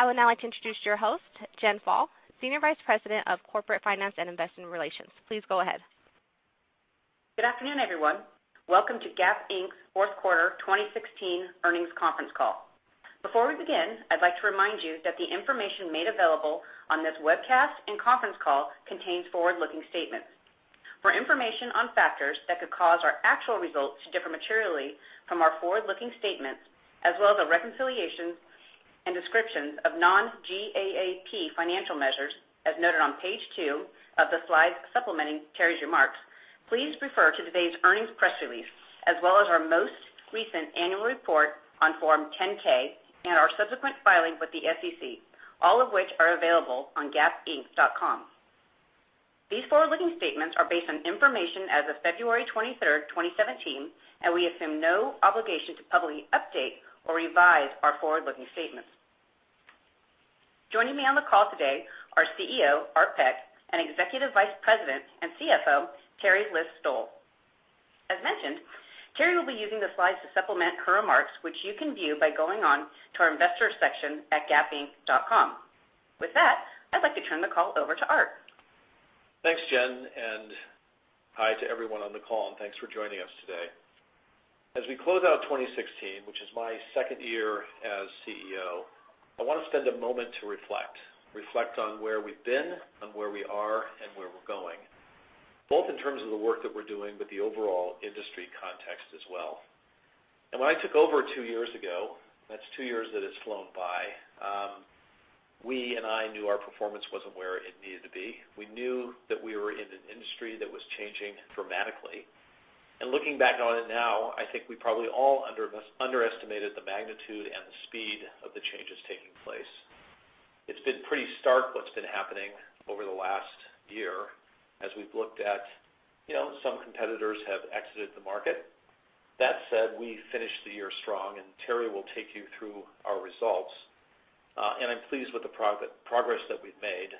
I would now like to introduce your host, Tina Romani, Senior Vice President of Corporate Finance and Investor Relations. Please go ahead. Good afternoon, everyone. Welcome to Gap Inc.'s Fourth Quarter 2016 Earnings Conference Call. Before we begin, I'd like to remind you that the information made available on this webcast and conference call contains forward-looking statements. For information on factors that could cause our actual results to differ materially from our forward-looking statements, as well as a reconciliation and descriptions of non-GAAP financial measures, as noted on page two of the slides supplementing Teri's remarks, please refer to today's earnings press release, as well as our most recent annual report on Form 10-K and our subsequent filings with the SEC, all of which are available on gapinc.com. These forward-looking statements are based on information as of February 23, 2017, and we assume no obligation to publicly update or revise our forward-looking statements. Joining me on the call today are CEO, Art Peck, and Executive Vice President and CFO, Teri List-Stoll. As mentioned, Teri will be using the slides to supplement her remarks, which you can view by going on to our investors section at gapinc.com. With that, I'd like to turn the call over to Art. Thanks, Jen. Hi to everyone on the call. Thanks for joining us today. As we close out 2016, which is my second year as CEO, I want to spend a moment to reflect. Reflect on where we've been and where we are and where we're going, both in terms of the work that we're doing, but the overall industry context as well. When I took over two years ago, that's two years that has flown by, we and I knew our performance wasn't where it needed to be. We knew that we were in an industry that was changing dramatically. Looking back on it now, I think we probably all underestimated the magnitude and the speed of the changes taking place. It's been pretty stark what's been happening over the last year as we've looked at some competitors have exited the market. That said, we finished the year strong, and Teri will take you through our results. I'm pleased with the progress that we've made,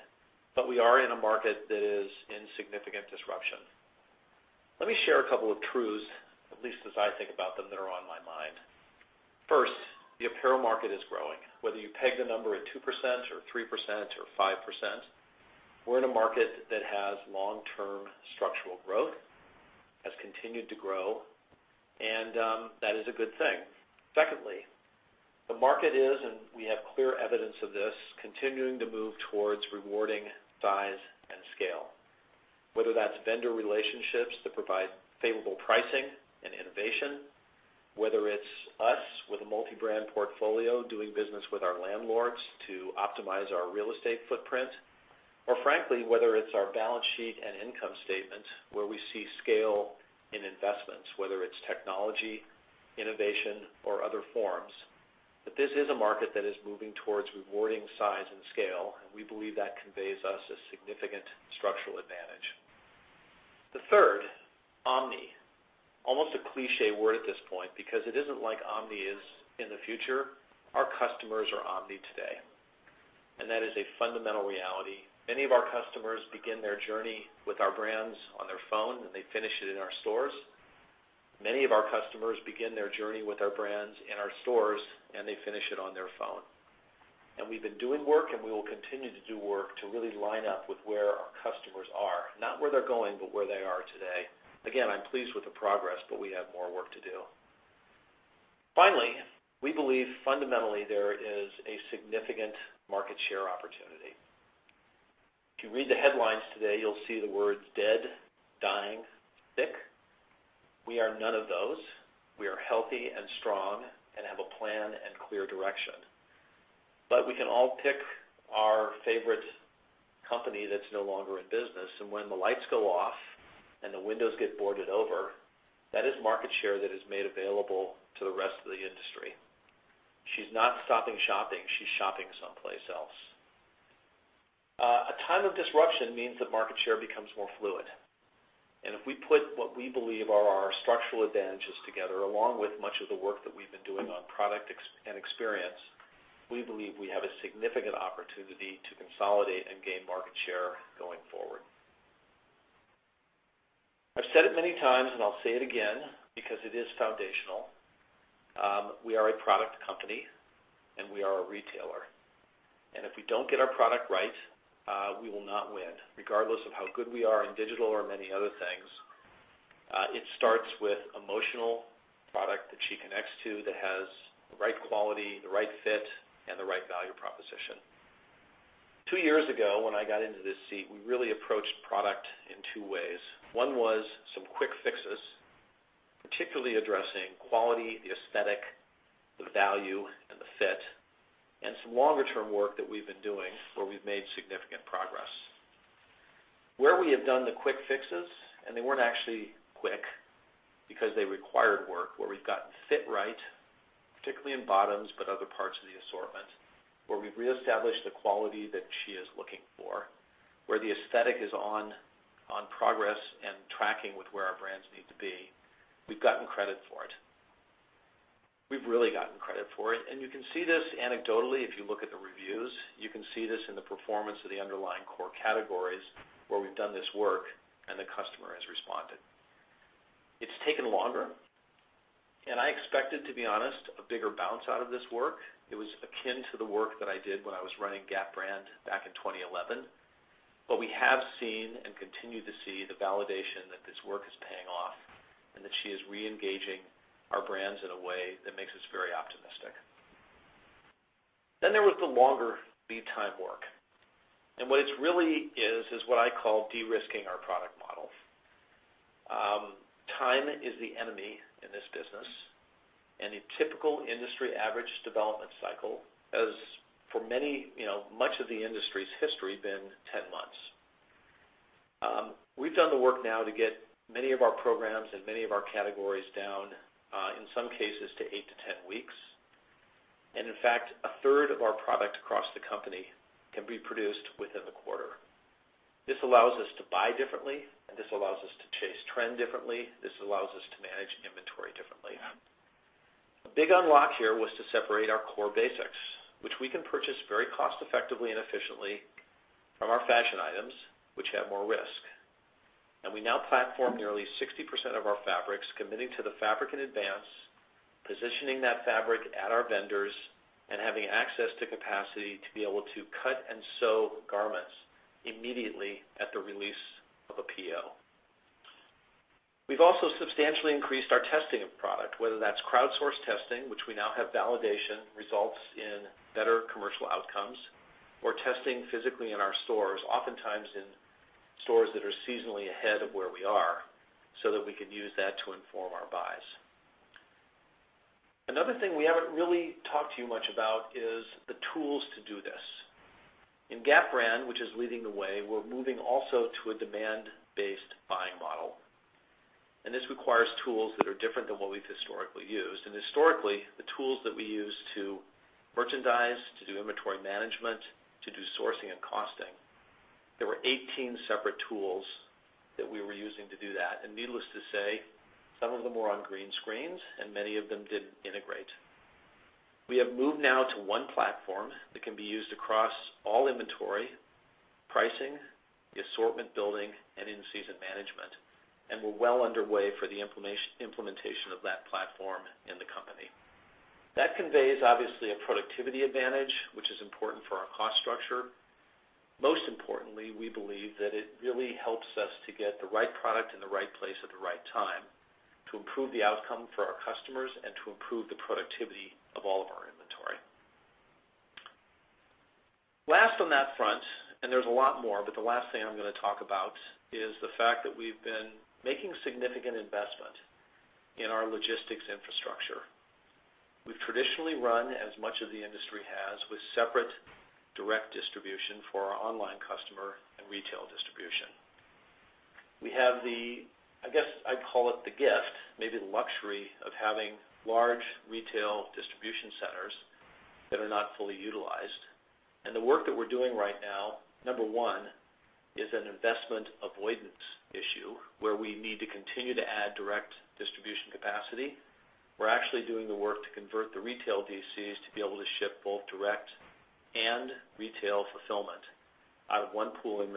but we are in a market that is in significant disruption. Let me share a couple of truths, at least as I think about them, that are on my mind. First, the apparel market is growing. Whether you peg the number at 2% or 3% or 5%, we're in a market that has long-term structural growth, has continued to grow, and that is a good thing. Secondly, the market is, and we have clear evidence of this, continuing to move towards rewarding size and scale. Whether that's vendor relationships that provide favorable pricing and innovation, whether it's us with a multi-brand portfolio doing business with our landlords to optimize our real estate footprint, or frankly, whether it's our balance sheet and income statement where we see scale in investments, whether it's technology, innovation, or other forms. This is a market that is moving towards rewarding size and scale, and we believe that conveys us a significant structural advantage. The third, omni. Almost a cliche word at this point because it isn't like omni is in the future. Our customers are omni today, and that is a fundamental reality. Many of our customers begin their journey with our brands on their phone, and they finish it in our stores. Many of our customers begin their journey with our brands in our stores, and they finish it on their phone. We've been doing work, and we will continue to do work to really line up with where our customers are, not where they're going, but where they are today. Again, I'm pleased with the progress, we have more work to do. Finally, we believe fundamentally there is a significant market share opportunity. If you read the headlines today, you'll see the words dead, dying, sick. We are none of those. We are healthy and strong and have a plan and clear direction. We can all pick our favorite company that's no longer in business, and when the lights go off and the windows get boarded over, that is market share that is made available to the rest of the industry. She's not stopping shopping. She's shopping someplace else. A time of disruption means that market share becomes more fluid. If we put what we believe are our structural advantages together, along with much of the work that we've been doing on product and experience, we believe we have a significant opportunity to consolidate and gain market share going forward. I've said it many times, and I'll say it again because it is foundational. We are a product company, and we are a retailer. If we don't get our product right, we will not win, regardless of how good we are in digital or many other things. It starts with emotional product that she connects to that has the right quality, the right fit, and the right value proposition. Two years ago, when I got into this seat, we really approached product in two ways. One was some quick fixes, particularly addressing quality, the aesthetic, the value, and the fit, and some longer-term work that we've been doing where we've made significant progress. Where we have done the quick fixes, and they weren't actually quick because they required work, where we've gotten fit right, particularly in bottoms, but other parts of the assortment, where we've reestablished the quality that she is looking for, where the aesthetic is on progress and tracking with where our brands need to be. We've gotten credit for it. We've really gotten credit for it. You can see this anecdotally if you look at the reviews. You can see this in the performance of the underlying core categories where we've done this work and the customer has responded. It's taken longer. I expected, to be honest, a bigger bounce out of this work. It was akin to the work that I did when I was running Gap back in 2011. We have seen and continue to see the validation that this work is paying off, and that she is reengaging our brands in a way that makes us very optimistic. There was the longer lead time work, and what it really is what I call de-risking our product model. Time is the enemy in this business. A typical industry average development cycle has, for much of the industry's history, been 10 months. We've done the work now to get many of our programs and many of our categories down, in some cases, to 8 to 10 weeks. In fact, a third of our product across the company can be produced within the quarter. This allows us to buy differently, and this allows us to chase trend differently. This allows us to manage inventory differently. A big unlock here was to separate our core basics, which we can purchase very cost effectively and efficiently from our fashion items, which have more risk. We now platform nearly 60% of our fabrics, committing to the fabric in advance, positioning that fabric at our vendors, and having access to capacity to be able to cut and sew garments immediately at the release of a PO. We've also substantially increased our testing of product, whether that's crowdsourced testing, which we now have validation results in better commercial outcomes, or testing physically in our stores, oftentimes in stores that are seasonally ahead of where we are, so that we can use that to inform our buys. Another thing we haven't really talked to you much about is the tools to do this. In Gap, which is leading the way, we're moving also to a demand-based buying model. This requires tools that are different than what we've historically used. Historically, the tools that we use to merchandise, to do inventory management, to do sourcing and costing, there were 18 separate tools that we were using to do that. Needless to say, some of them were on green screens and many of them didn't integrate. We have moved now to one platform that can be used across all inventory, pricing, the assortment building, and in-season management. We're well underway for the implementation of that platform in the company. That conveys, obviously, a productivity advantage, which is important for our cost structure. Most importantly, we believe that it really helps us to get the right product in the right place at the right time, to improve the outcome for our customers and to improve the productivity of all of our inventory. Last on that front, there's a lot more, but the last thing I'm going to talk about is the fact that we've been making significant investment in our logistics infrastructure. We've traditionally run, as much of the industry has, with separate direct distribution for our online customer and retail distribution. We have the, I guess I'd call it the gift, maybe the luxury, of having large retail distribution centers that are not fully utilized. The work that we're doing right now, number 1, is an investment avoidance issue where we need to continue to add direct distribution capacity. We're actually doing the work to convert the retail DCs to be able to ship both direct and retail fulfillment out of 1 pool of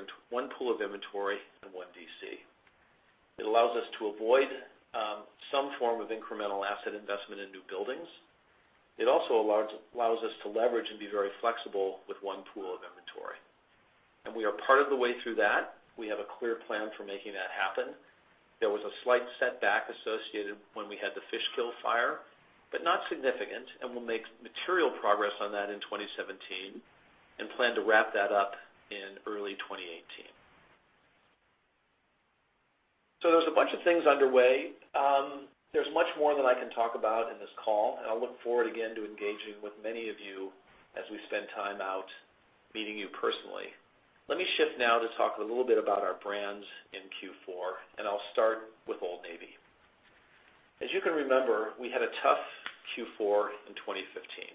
inventory and 1 DC. It allows us to avoid some form of incremental asset investment in new buildings. It also allows us to leverage and be very flexible with 1 pool of inventory. We are part of the way through that. We have a clear plan for making that happen. There was a slight setback associated when we had the Fishkill fire, but not significant, and we'll make material progress on that in 2017 and plan to wrap that up in early 2018. There's a bunch of things underway. There's much more that I can talk about in this call, and I'll look forward again to engaging with many of you as we spend time out meeting you personally. Let me shift now to talk a little bit about our brands in Q4. I'll start with Old Navy. As you can remember, we had a tough Q4 in 2015.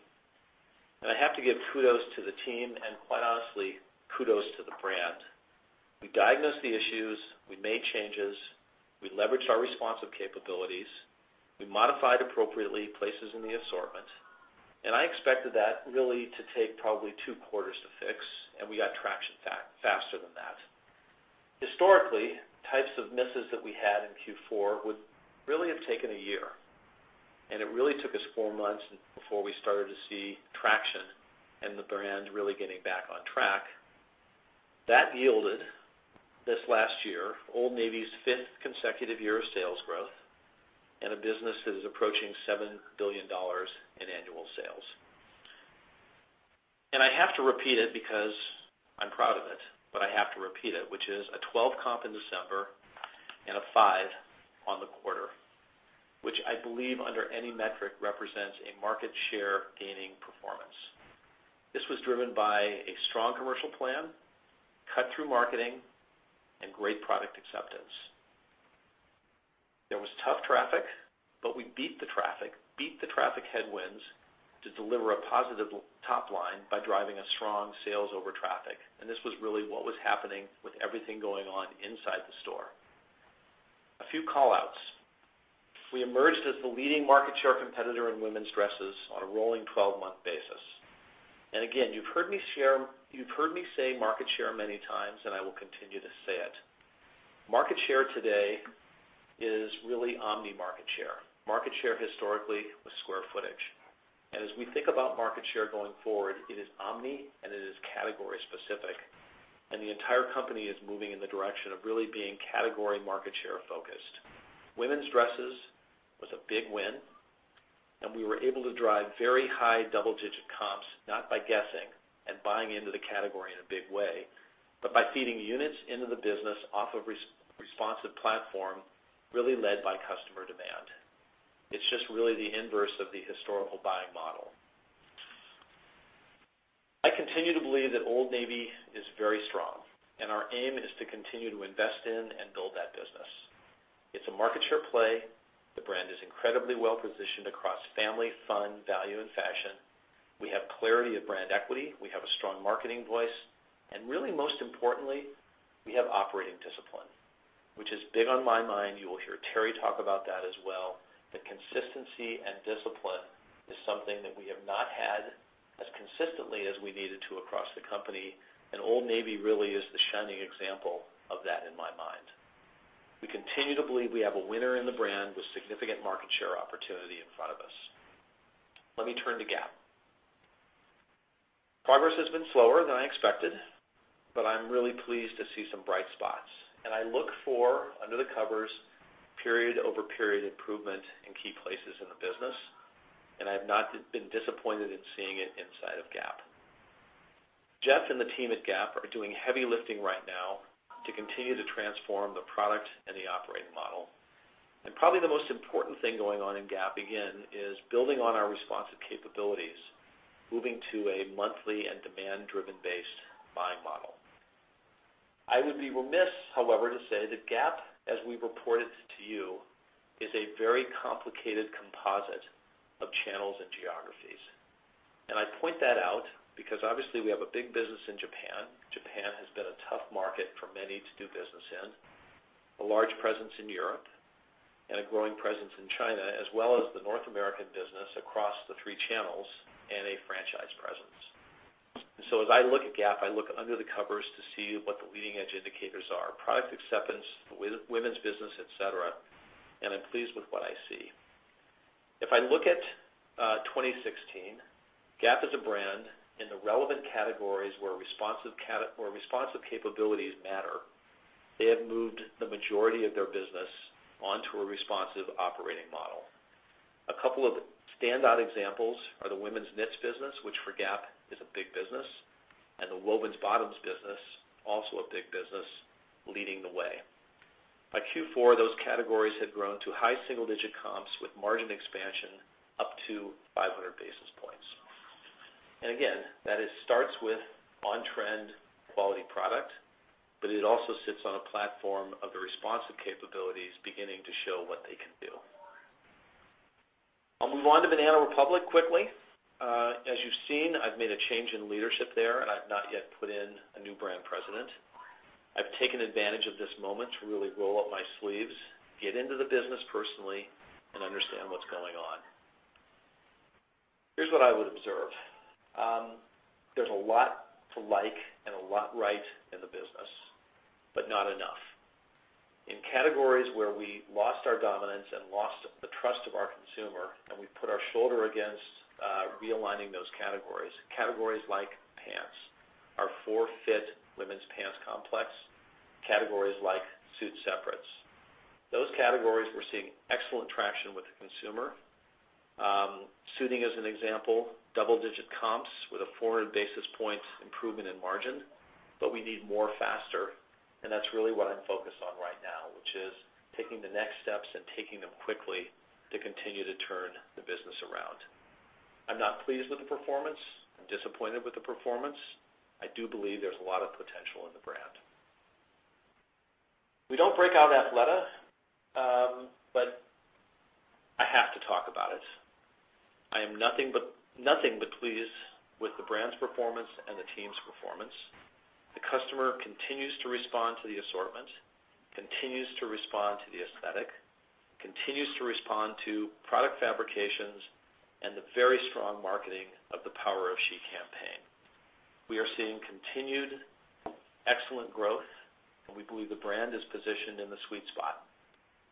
I have to give kudos to the team, and quite honestly, kudos to the brand. We diagnosed the issues. We made changes. We leveraged our responsive capabilities. We modified appropriately places in the assortment. I expected that really to take probably 2 quarters to fix, and we got traction faster than that. Historically, types of misses that we had in Q4 would really have taken a year, and it really took us 4 months before we started to see traction and the brand really getting back on track. That yielded, this last year, Old Navy's fifth consecutive year of sales growth and a business that is approaching $7 billion in annual sales. I have to repeat it because I'm proud of it, but I have to repeat it, which is a 12 comp in December and a 5 on the quarter, which I believe under any metric represents a market share gaining performance. This was driven by a strong commercial plan, cut through marketing, and great product acceptance. There was tough traffic, but we beat the traffic headwinds to deliver a positive top line by driving a strong sales over traffic. This was really what was happening with everything going on inside the store. A few call-outs. We emerged as the leading market share competitor in women's dresses on a rolling 12-month basis. Again, you've heard me say market share many times, and I will continue to say it. Market share today is really omni market share. Market share historically was square footage. As we think about market share going forward, it is omni and it is category specific. The entire company is moving in the direction of really being category market share focused. Women's dresses was a big win, and we were able to drive very high double-digit comps, not by guessing and buying into the category in a big way, but by feeding units into the business off a responsive platform, really led by customer demand. It's just really the inverse of the historical buying model. I continue to believe that Old Navy is very strong, and our aim is to continue to invest in and build that business. It's a market share play. The brand is incredibly well-positioned across family fun, value, and fashion. We have clarity of brand equity. We have a strong marketing voice, and really most importantly, we have operating discipline, which is big on my mind. You will hear Teri talk about that as well. The consistency and discipline is something that we have not had as consistently as we needed to across the company, and Old Navy really is the shining example of that in my mind. We continue to believe we have a winner in the brand with significant market share opportunity in front of us. Let me turn to Gap. Progress has been slower than I expected, but I'm really pleased to see some bright spots. I look for, under the covers, period-over-period improvement in key places in the business, and I have not been disappointed in seeing it inside of Gap. Jeff and the team at Gap are doing heavy lifting right now to continue to transform the product and the operating model. Probably the most important thing going on in Gap, again, is building on our responsive capabilities, moving to a monthly and demand-driven based buying model. I would be remiss, however, to say that Gap, as we report it to you, is a very complicated composite of channels and geographies. I point that out because obviously we have a big business in Japan. Japan has been a tough market for many to do business in. A large presence in Europe, and a growing presence in China, as well as the North American business across the three channels and a franchise presence. As I look at Gap, I look under the covers to see what the leading edge indicators are, product acceptance, the women's business, et cetera, and I'm pleased with what I see. If I look at 2016, Gap is a brand in the relevant categories where responsive capabilities matter. They have moved the majority of their business onto a responsive operating model. A couple of standout examples are the women's knits business, which for Gap is a big business, and the wovens bottoms business, also a big business, leading the way. By Q4, those categories had grown to high single-digit comps with margin expansion up to 500 basis points. Again, that it starts with on-trend quality product, but it also sits on a platform of the responsive capabilities beginning to show what they can do. I'll move on to Banana Republic quickly. As you've seen, I've made a change in leadership there. I've not yet put in a new brand president. I've taken advantage of this moment to really roll up my sleeves, get into the business personally, and understand what's going on. Here's what I would observe. There's a lot to like and a lot right in the business, not enough. In categories where we lost our dominance and lost the trust of our consumer, we put our shoulder against realigning those categories. Categories like pants, our Four Fit women's pants complex. Categories like suit separates. Those categories we're seeing excellent traction with the consumer. Suiting as an example, double-digit comps with a 400 basis points improvement in margin. We need more faster, and that's really what I'm focused on right now, which is taking the next steps and taking them quickly to continue to turn the business around. I'm not pleased with the performance. I'm disappointed with the performance. I do believe there's a lot of potential in the brand. We don't break out Athleta, but I have to talk about it. I am nothing but pleased with the brand's performance and the team's performance. The customer continues to respond to the assortment, continues to respond to the aesthetic, continues to respond to product fabrications, and the very strong marketing of the Power of She campaign. We are seeing continued excellent growth. We believe the brand is positioned in the sweet spot,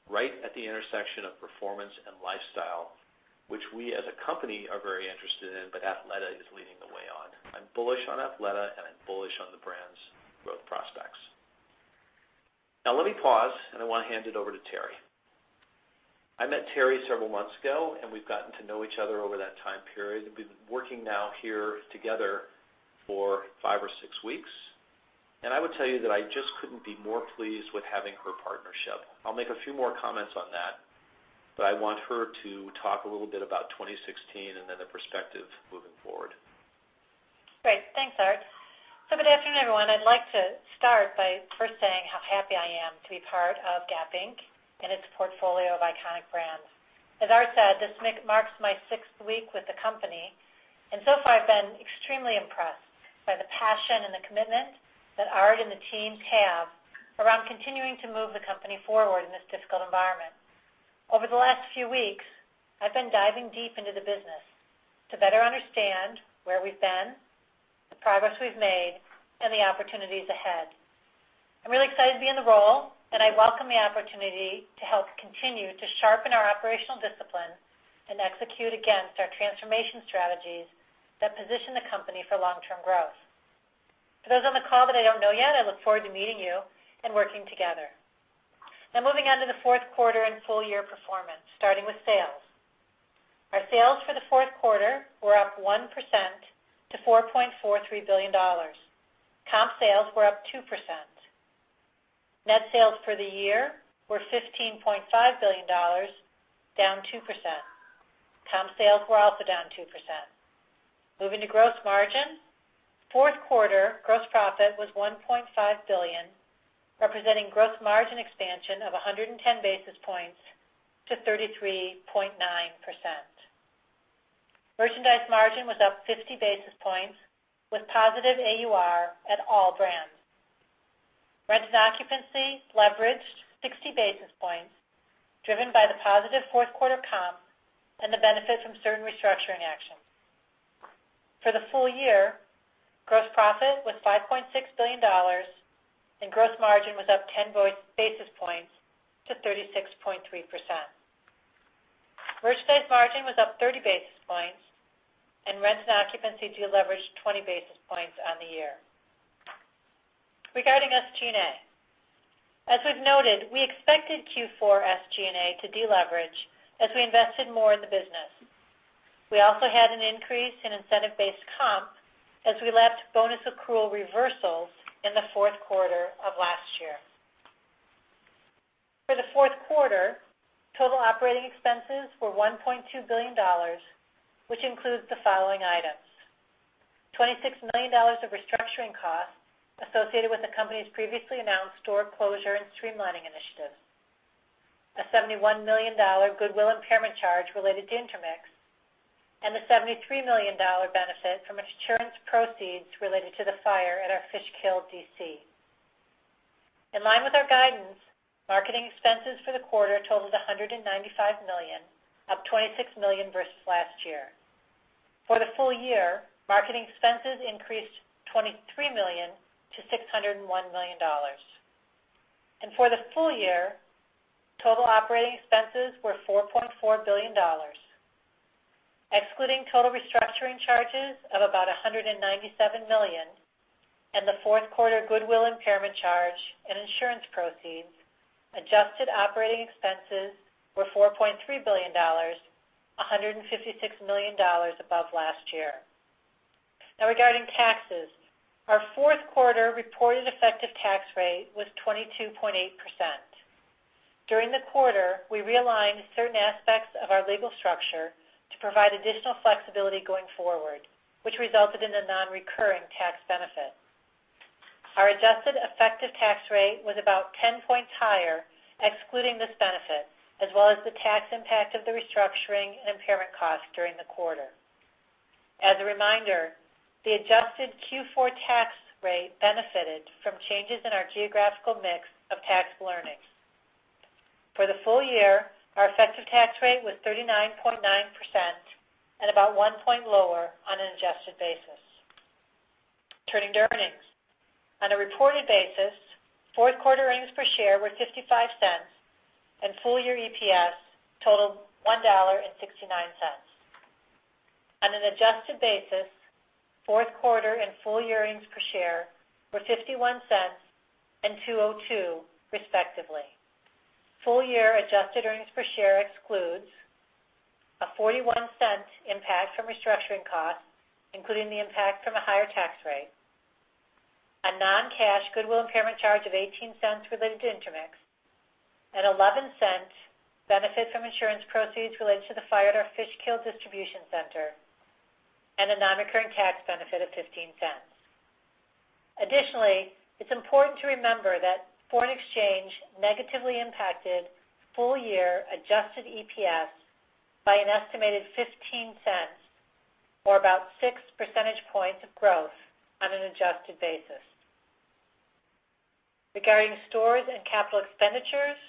right at the intersection of performance and lifestyle, which we as a company are very interested in, Athleta is leading the way on. I'm bullish on Athleta and I'm bullish on the brand's growth prospects. Let me pause. I want to hand it over to Teri. I met Teri several months ago. We've gotten to know each other over that time period. We've been working now here together for five or six weeks. I would tell you that I just couldn't be more pleased with having her partnership. I'll make a few more comments on that, I want her to talk a little bit about 2016 and then the perspective moving forward. Great. Thanks, Art. Good afternoon, everyone. I'd like to start by first saying how happy I am to be part of Gap Inc. and its portfolio of iconic brands. As Art said, this marks my sixth week with the company. So far I've been extremely impressed by the passion and the commitment that Art and the teams have around continuing to move the company forward in this difficult environment. Over the last few weeks, I've been diving deep into the business to better understand where we've been, the progress we've made, and the opportunities ahead. I'm really excited to be in the role. I welcome the opportunity to help continue to sharpen our operational discipline and execute against our transformation strategies that position the company for long-term growth. For those on the call that I don't know yet, I look forward to meeting you and working together. Moving on to the fourth quarter and full year performance, starting with sales. Our sales for the fourth quarter were up 1% to $4.43 billion. Comp sales were up 2%. Net sales for the year were $15.5 billion, down 2%. Comp sales were also down 2%. Moving to gross margin. Fourth quarter gross profit was $1.5 billion, representing gross margin expansion of 110 basis points to 33.9%. Merchandise margin was up 50 basis points with positive AUR at all brands. Rents and occupancy leveraged 60 basis points, driven by the positive fourth quarter comp and the benefit from certain restructuring actions. For the full year, gross profit was $5.6 billion and gross margin was up 10 basis points to 36.3%. Merchandise margin was up 30 basis points, rents and occupancy deleveraged 20 basis points on the year. Regarding SG&A, as we've noted, we expected Q4 SG&A to deleverage as we invested more in the business. We also had an increase in incentive-based comp as we lapped bonus accrual reversals in the fourth quarter of last year. For the fourth quarter, total operating expenses were $1.2 billion, which includes the following items: $26 million of restructuring costs associated with the company's previously announced store closure and streamlining initiatives, a $71 million goodwill impairment charge related to Intermix, and a $73 million benefit from insurance proceeds related to the fire at our Fishkill DC. In line with our guidance, marketing expenses for the quarter totaled $195 million, up $26 million versus last year. For the full year, marketing expenses increased $23 million to $601 million. For the full year, total operating expenses were $4.4 billion. Excluding total restructuring charges of about $197 million and the fourth quarter goodwill impairment charge and insurance proceeds, adjusted operating expenses were $4.3 billion, $156 million above last year. Regarding taxes, our fourth quarter reported effective tax rate was 22.8%. During the quarter, we realigned certain aspects of our legal structure to provide additional flexibility going forward, which resulted in a non-recurring tax benefit. Our adjusted effective tax rate was about 10 points higher, excluding this benefit, as well as the tax impact of the restructuring and impairment costs during the quarter. As a reminder, the adjusted Q4 tax rate benefited from changes in our geographical mix of tax earnings. For the full year, our effective tax rate was 39.9% and about one point lower on an adjusted basis. Turning to earnings. On a reported basis, fourth quarter earnings per share were $0.55. Full-year EPS totaled $1.69. On an adjusted basis, fourth quarter and full-year earnings per share were $0.51 and $2.02, respectively. Full-year adjusted earnings per share excludes a $0.41 impact from restructuring costs, including the impact from a higher tax rate, a non-cash goodwill impairment charge of $0.18 related to Intermix, a $0.11 benefit from insurance proceeds related to the fire at our Fishkill distribution center, a non-recurring tax benefit of $0.15. Additionally, it's important to remember that foreign exchange negatively impacted full-year adjusted EPS by an estimated $0.15, or about six percentage points of growth on an adjusted basis. Regarding stores and capital expenditures,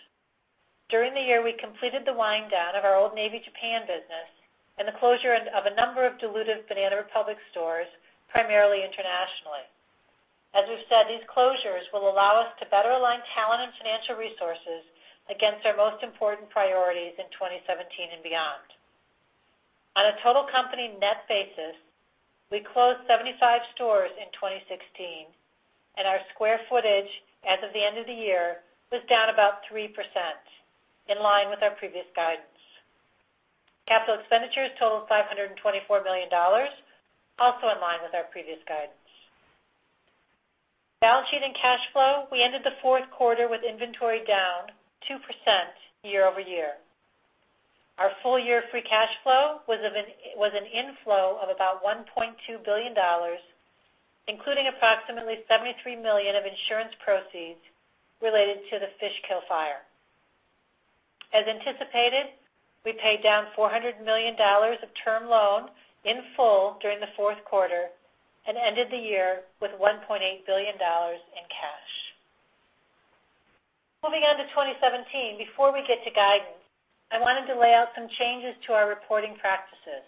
during the year, we completed the wind-down of our Old Navy Japan business and the closure of a number of dilutive Banana Republic stores, primarily internationally. As we've said, these closures will allow us to better align talent and financial resources against our most important priorities in 2017 and beyond. On a total company net basis, we closed 75 stores in 2016, and our square footage as of the end of the year was down about 3%, in line with our previous guidance. Capital expenditures totaled $524 million, also in line with our previous guidance. Balance sheet and cash flow. We ended the fourth quarter with inventory down 2% year-over-year. Our full-year free cash flow was an inflow of about $1.2 billion, including approximately $73 million of insurance proceeds related to the Fishkill fire. As anticipated, we paid down $400 million of term loan in full during the fourth quarter and ended the year with $1.8 billion in cash. Moving on to 2017, before we get to guidance, I wanted to lay out some changes to our reporting practices.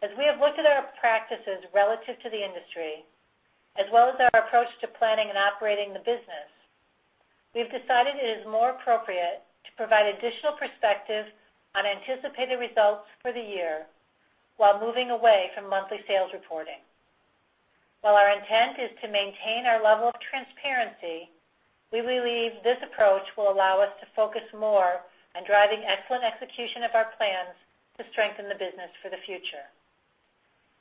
As we have looked at our practices relative to the industry, as well as our approach to planning and operating the business, we've decided it is more appropriate to provide additional perspective on anticipated results for the year while moving away from monthly sales reporting. While our intent is to maintain our level of transparency, we believe this approach will allow us to focus more on driving excellent execution of our plans to strengthen the business for the future.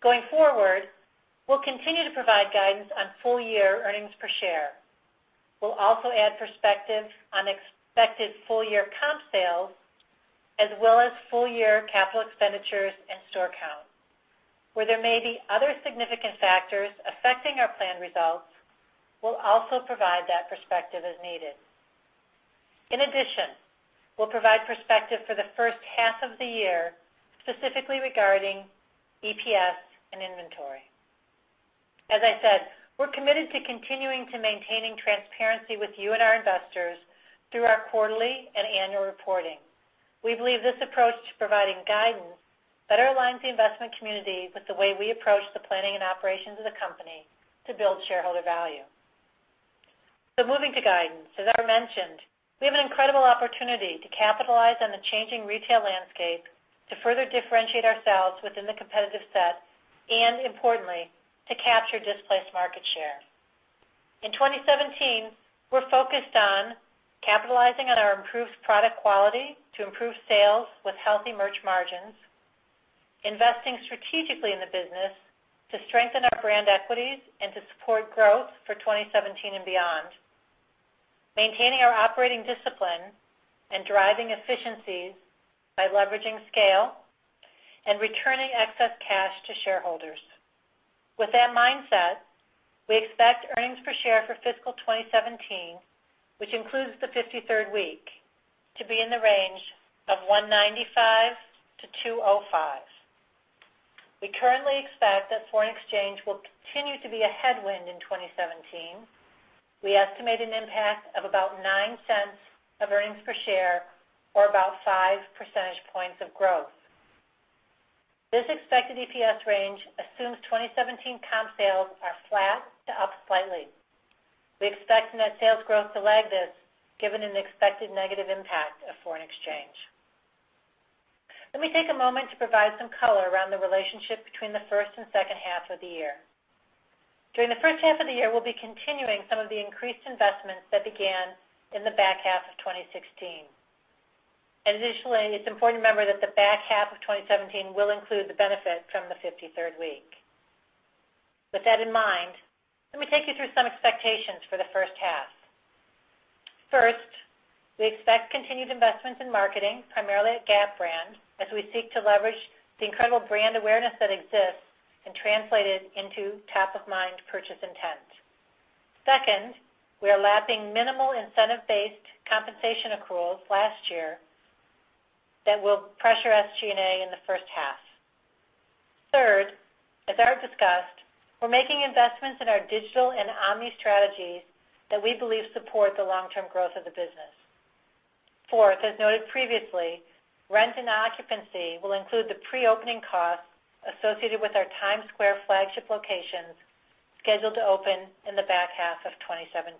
Going forward, we'll continue to provide guidance on full-year earnings per share. We'll also add perspective on expected full-year comp sales, as well as full-year capital expenditures and store count. Where there may be other significant factors affecting our planned results, we'll also provide that perspective as needed. In addition, we'll provide perspective for the first half of the year, specifically regarding EPS and inventory. As I said, we're committed to continuing to maintaining transparency with you and our investors through our quarterly and annual reporting. We believe this approach to providing guidance better aligns the investment community with the way we approach the planning and operations of the company to build shareholder value. Moving to guidance. As Art mentioned, we have an incredible opportunity to capitalize on the changing retail landscape to further differentiate ourselves within the competitive set and, importantly, to capture displaced market share. In 2017, we're focused on capitalizing on our improved product quality to improve sales with healthy merch margins, investing strategically in the business to strengthen our brand equities, and to support growth for 2017 and beyond, maintaining our operating discipline and driving efficiencies by leveraging scale, and returning excess cash to shareholders. With that mindset, we expect earnings per share for fiscal 2017, which includes the 53rd week, to be in the range of $1.95 to $2.05. We currently expect that foreign exchange will continue to be a headwind in 2017. We estimate an impact of about $0.09 of earnings per share, or about five percentage points of growth. This expected EPS range assumes 2017 comp sales are flat to up slightly. We expect net sales growth to lag this, given an expected negative impact of foreign exchange. Let me take a moment to provide some color around the relationship between the first and second half of the year. During the first half of the year, we'll be continuing some of the increased investments that began in the back half of 2016. Additionally, it's important to remember that the back half of 2017 will include the benefit from the 53rd week. With that in mind, let me take you through some expectations for the first half. First, we expect continued investments in marketing, primarily at Gap brand, as we seek to leverage the incredible brand awareness that exists and translate it into top of mind purchase intent. Second, we are lapsing minimal incentive-based compensation accruals last year that will pressure SG&A in the first half. Third, as Art discussed, we're making investments in our digital and omni strategies that we believe support the long-term growth of the business. Fourth, as noted previously, rent and occupancy will include the pre-opening costs associated with our Times Square flagship locations scheduled to open in the back half of 2017.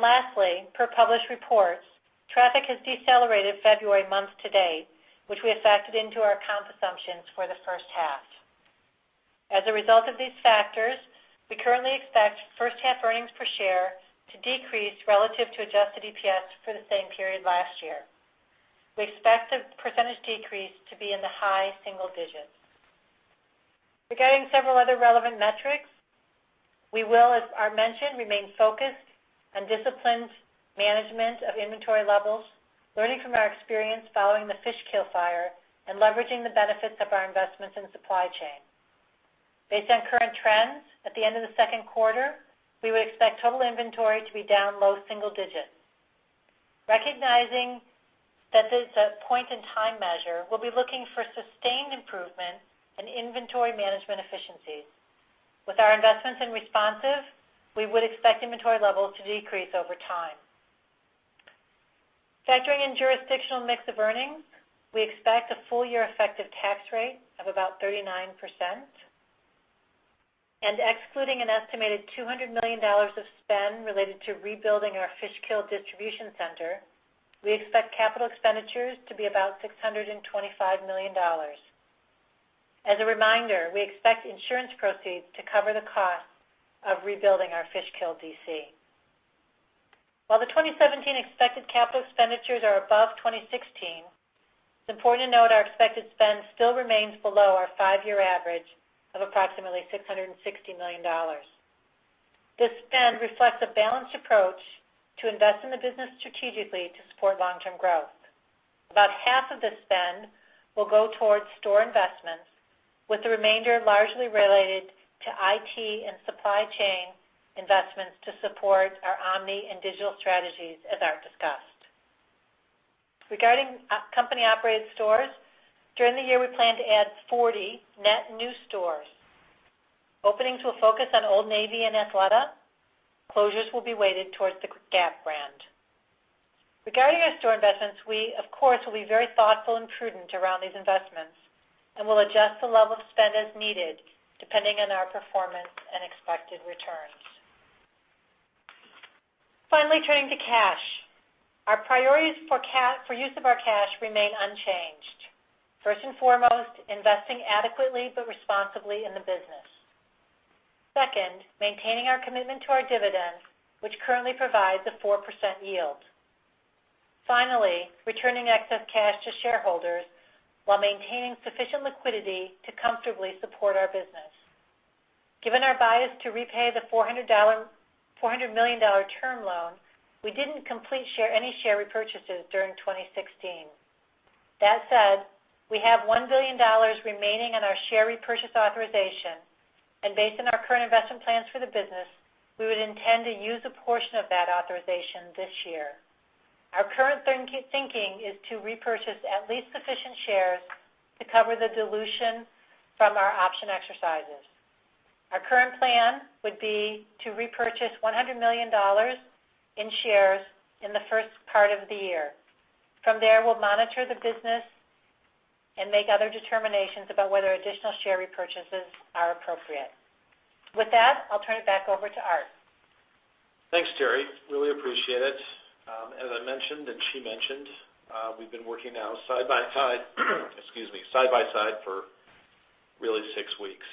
Lastly, per published reports, traffic has decelerated February month to date, which we have factored into our comp assumptions for the first half. As a result of these factors, we currently expect first half earnings per share to decrease relative to adjusted EPS for the same period last year. We expect the percentage decrease to be in the high single digits. Regarding several other relevant metrics, we will, as Art mentioned, remain focused on disciplined management of inventory levels, learning from our experience following the Fishkill fire, and leveraging the benefits of our investments in supply chain. Based on current trends at the end of the second quarter, we would expect total inventory to be down low single digits. Recognizing that this is a point in time measure, we'll be looking for sustained improvement in inventory management efficiencies. With our investments in responsive, we would expect inventory levels to decrease over time. Factoring in jurisdictional mix of earnings, we expect a full year effective tax rate of about 39%. Excluding an estimated $200 million of spend related to rebuilding our Fishkill distribution center, we expect capital expenditures to be about $625 million. As a reminder, we expect insurance proceeds to cover the cost of rebuilding our Fishkill DC. While the 2017 expected capital expenditures are above 2016, it's important to note our expected spend still remains below our five-year average of approximately $660 million. This spend reflects a balanced approach to invest in the business strategically to support long-term growth. About half of this spend will go towards store investments with the remainder largely related to IT and supply chain investments to support our omni and digital strategies, as Art discussed. Regarding company-operated stores, during the year, we plan to add 40 net new stores. Openings will focus on Old Navy and Athleta. Closures will be weighted towards the Gap brand. Regarding our store investments, we, of course, will be very thoughtful and prudent around these investments, and we'll adjust the level of spend as needed, depending on our performance and expected returns. Finally, turning to cash. Our priorities for use of our cash remain unchanged. First and foremost, investing adequately but responsibly in the business. Second, maintaining our commitment to our dividends, which currently provides a 4% yield. Finally, returning excess cash to shareholders while maintaining sufficient liquidity to comfortably support our business. Given our bias to repay the $400 million term loan, we didn't complete any share repurchases during 2016. That said, we have $1 billion remaining on our share repurchase authorization, and based on our current investment plans for the business, we would intend to use a portion of that authorization this year. Our current thinking is to repurchase at least sufficient shares to cover the dilution from our option exercises. Our current plan would be to repurchase $100 million in shares in the first part of the year. From there, we'll monitor the business and make other determinations about whether additional share repurchases are appropriate. With that, I'll turn it back over to Art. Thanks, Teri. Really appreciate it. As I mentioned, and she mentioned, we've been working now side by side for really six weeks.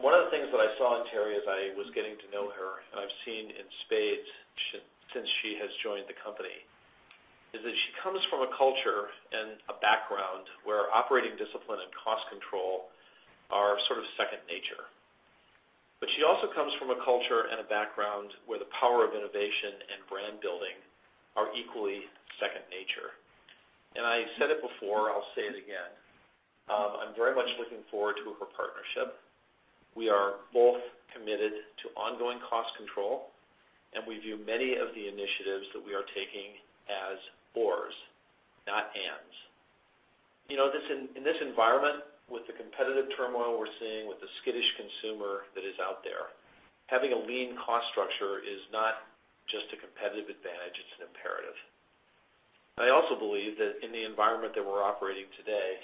One of the things that I saw in Teri as I was getting to know her, and I've seen in spades since she has joined the company, is that she comes from a culture and a background where operating discipline and cost control are sort of second nature. She also comes from a culture and a background where the power of innovation and brand building are equally second nature. I said it before, I'll say it again. I'm very much looking forward to her partnership. We are both committed to ongoing cost control, and we view many of the initiatives that we are taking as ors, not ands. In this environment, with the competitive turmoil we're seeing, with the skittish consumer that is out there, having a lean cost structure is not just a competitive advantage, it's an imperative. I also believe that in the environment that we're operating today,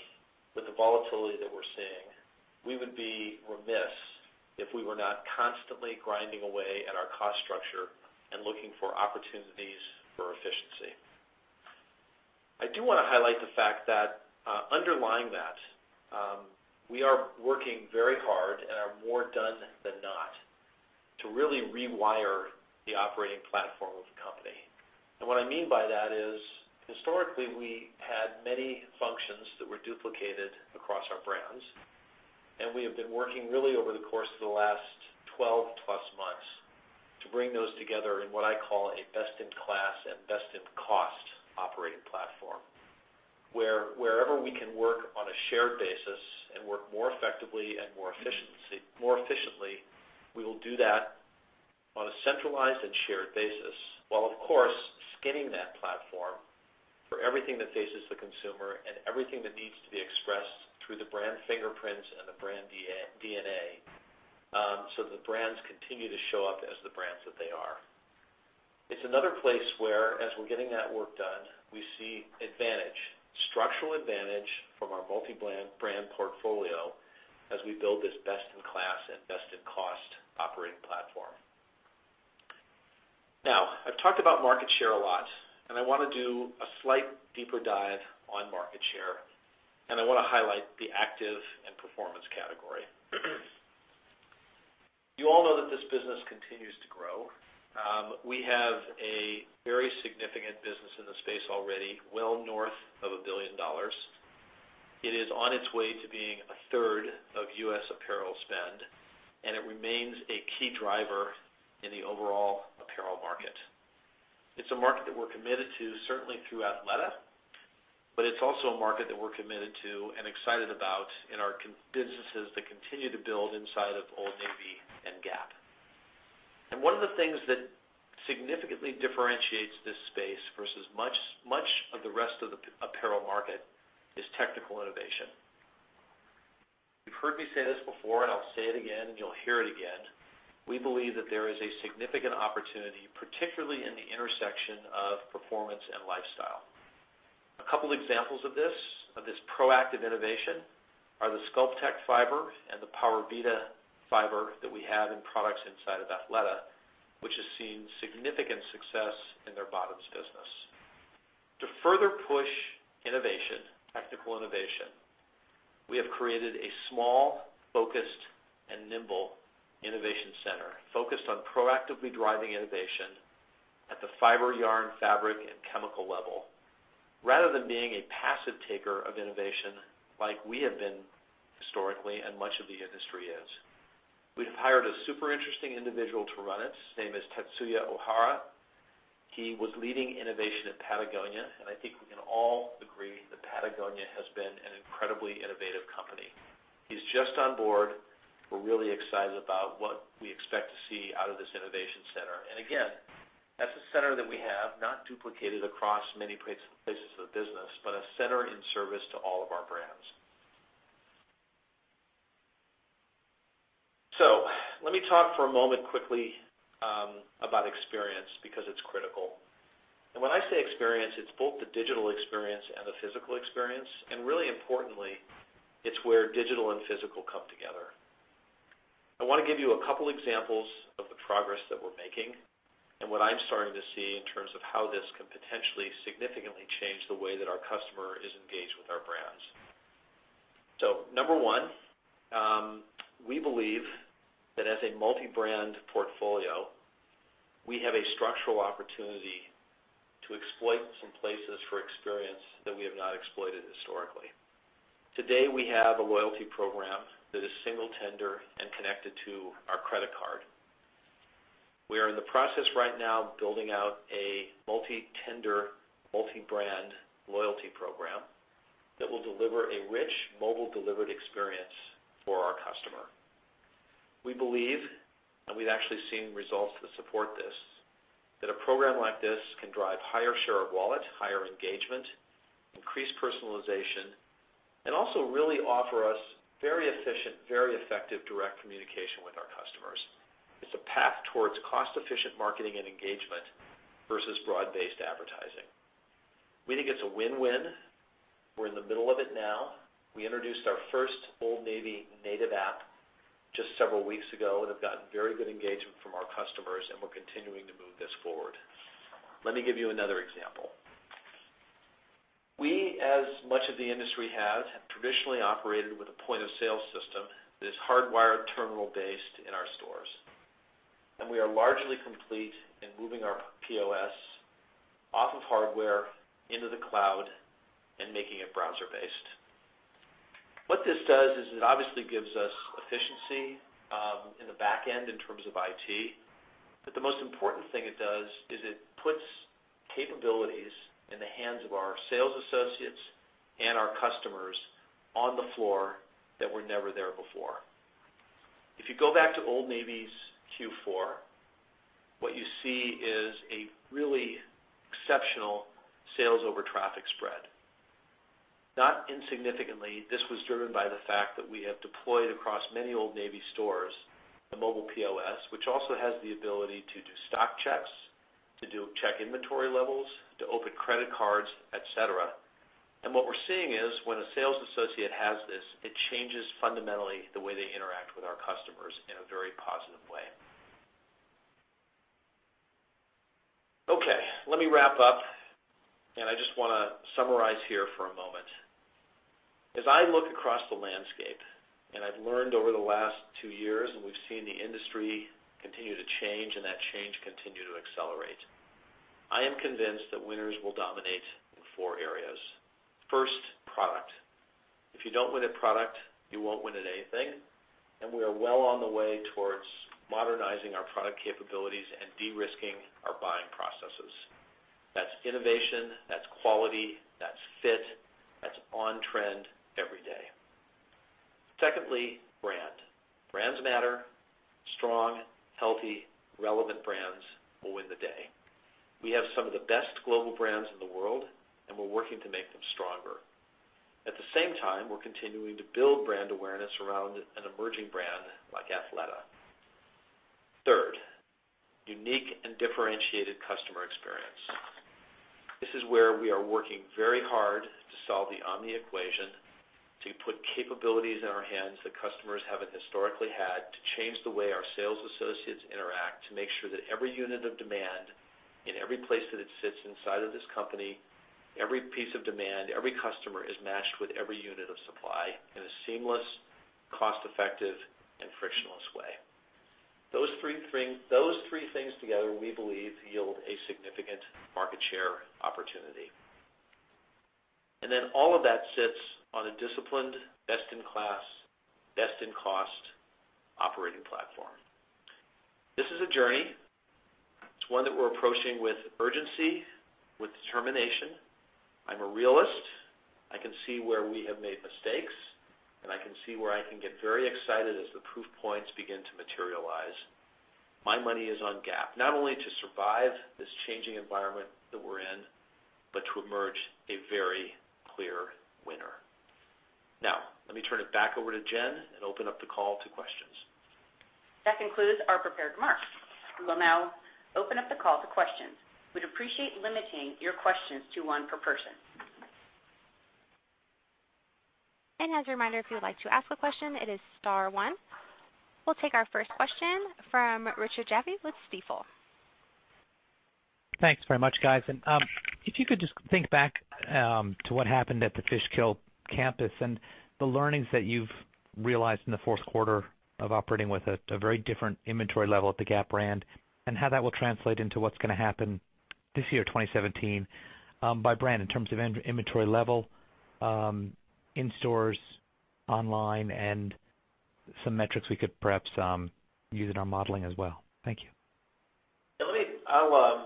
with the volatility that we're seeing, we would be remiss if we were not constantly grinding away at our cost structure and looking for opportunities for efficiency. I do want to highlight the fact that underlying that, we are working very hard and are more done than not to really rewire the operating platform of the company. What I mean by that is, historically, we had many functions that were duplicated across our brands. We have been working really over the course of the last 12 plus months to bring those together in what I call a best-in-class and best-in-cost operating platform, where wherever we can work on a shared basis and work more effectively and more efficiently, we will do that on a centralized and shared basis. While of course, skinning that platform for everything that faces the consumer and everything that needs to be expressed through the brand fingerprints and the brand DNA, so the brands continue to show up as the brands that they are. It's another place where, as we're getting that work done, we see advantage, structural advantage from our multi-brand portfolio as we build this best-in-class and best-in-cost operating platform. I've talked about market share a lot. I want to do a slight deeper dive on market share. I want to highlight the active and performance category. You all know that this business continues to grow. We have a very significant business in the space already, well north of $1 billion. It is on its way to being 1/3 of U.S. apparel spend. It remains a key driver in the overall apparel market. It's a market that we're committed to, certainly through Athleta. It's also a market that we're committed to and excited about in our businesses that continue to build inside of Old Navy and Gap. One of the things that significantly differentiates this space versus much of the rest of the apparel market is technical innovation. You've heard me say this before. I'll say it again. You'll hear it again. We believe that there is a significant opportunity, particularly in the intersection of performance and lifestyle. A couple examples of this proactive innovation are the Sculptek fiber and the Powervita fiber that we have in products inside of Athleta, which has seen significant success in their bottoms business. To further push technical innovation, we have created a small, focused, and nimble innovation center focused on proactively driving innovation at the fiber, yarn, fabric, and chemical level, rather than being a passive taker of innovation like we have been historically and much of the industry is. We have hired a super interesting individual to run it. His name is Tetsuya O'Hara. He was leading innovation at Patagonia. I think we can all agree that Patagonia has been an incredibly innovative company. He's just on board. We're really excited about what we expect to see out of this innovation center. Again, that's a center that we have not duplicated across many places of the business, but a center in service to all of our brands. Let me talk for a moment quickly about experience, because it's critical. When I say experience, it's both the digital experience and the physical experience. Really importantly, it's where digital and physical come together. I want to give you a couple examples of the progress that we're making and what I'm starting to see in terms of how this can potentially significantly change the way that our customer is engaged with our brands. Number 1, we believe that as a multi-brand portfolio, we have a structural opportunity to exploit some places for experience that we have not exploited historically. Today, we have a loyalty program that is single tender and connected to our credit card. We are in the process right now of building out a multi-tender, multi-brand loyalty program that will deliver a rich mobile-delivered experience for our customer. We believe, we've actually seen results to support this, that a program like this can drive higher share of wallet, higher engagement, increased personalization, and also really offer us very efficient, very effective direct communication with our customers. It's a path towards cost-efficient marketing and engagement versus broad-based advertising. We think it's a win-win. We're in the middle of it now. We introduced our first Old Navy native app just several weeks ago and have gotten very good engagement from our customers. We're continuing to move this forward. Let me give you another example. We, as much of the industry has, have traditionally operated with a point-of-sale system that is hardwired terminal-based in our stores. We are largely complete in moving our POS off of hardware into the cloud and making it browser-based. What this does is it obviously gives us efficiency in the back end in terms of IT. The most important thing it does is it puts capabilities in the hands of our sales associates and our customers on the floor that were never there before. If you go back to Old Navy's Q4, what you see is a really exceptional sales over traffic spread. Not insignificantly, this was driven by the fact that we have deployed across many Old Navy stores, a mobile POS, which also has the ability to do stock checks, to check inventory levels, to open credit cards, et cetera. What we're seeing is when a sales associate has this, it changes fundamentally the way they interact with our customers in a very positive way. Okay, let me wrap up. I just want to summarize here for a moment. As I look across the landscape, I've learned over the last two years, we've seen the industry continue to change and that change continue to accelerate. I am convinced that winners will dominate in four areas. First, product. If you don't win at product, you won't win at anything, and we are well on the way towards modernizing our product capabilities and de-risking our buying processes. That's innovation, that's quality, that's fit, that's on-trend every day. Secondly, brand. Brands matter. Strong, healthy, relevant brands will win the day. We have some of the best global brands in the world, and we're working to make them stronger. At the same time, we're continuing to build brand awareness around an emerging brand like Athleta. Third, unique and differentiated customer experience. This is where we are working very hard to solve the omni equation, to put capabilities in our hands that customers haven't historically had, to change the way our sales associates interact, to make sure that every unit of demand in every place that it sits inside of this company, every piece of demand, every customer is matched with every unit of supply in a seamless, cost-effective, and frictionless way. Those three things together, we believe, yield a significant market share opportunity. All of that sits on a disciplined, best-in-class, best in cost operating platform. This is a journey. It's one that we're approaching with urgency, with determination. I'm a realist. I can see where we have made mistakes. I can see where I can get very excited as the proof points begin to materialize. My money is on Gap, not only to survive this changing environment that we're in, but to emerge a very clear winner. Let me turn it back over to Jen and open up the call to questions. That concludes our prepared remarks. We will now open up the call to questions. We'd appreciate limiting your questions to one per person. As a reminder, if you would like to ask a question, it is star one. We'll take our first question from Richard Jaffe with Stifel. Thanks very much, guys. If you could just think back to what happened at the Fishkill campus and the learnings that you've realized in the fourth quarter of operating with a very different inventory level at the Gap brand, and how that will translate into what's going to happen this year, 2017, by brand in terms of inventory level in stores, online, and some metrics we could perhaps use in our modeling as well. Thank you. Let me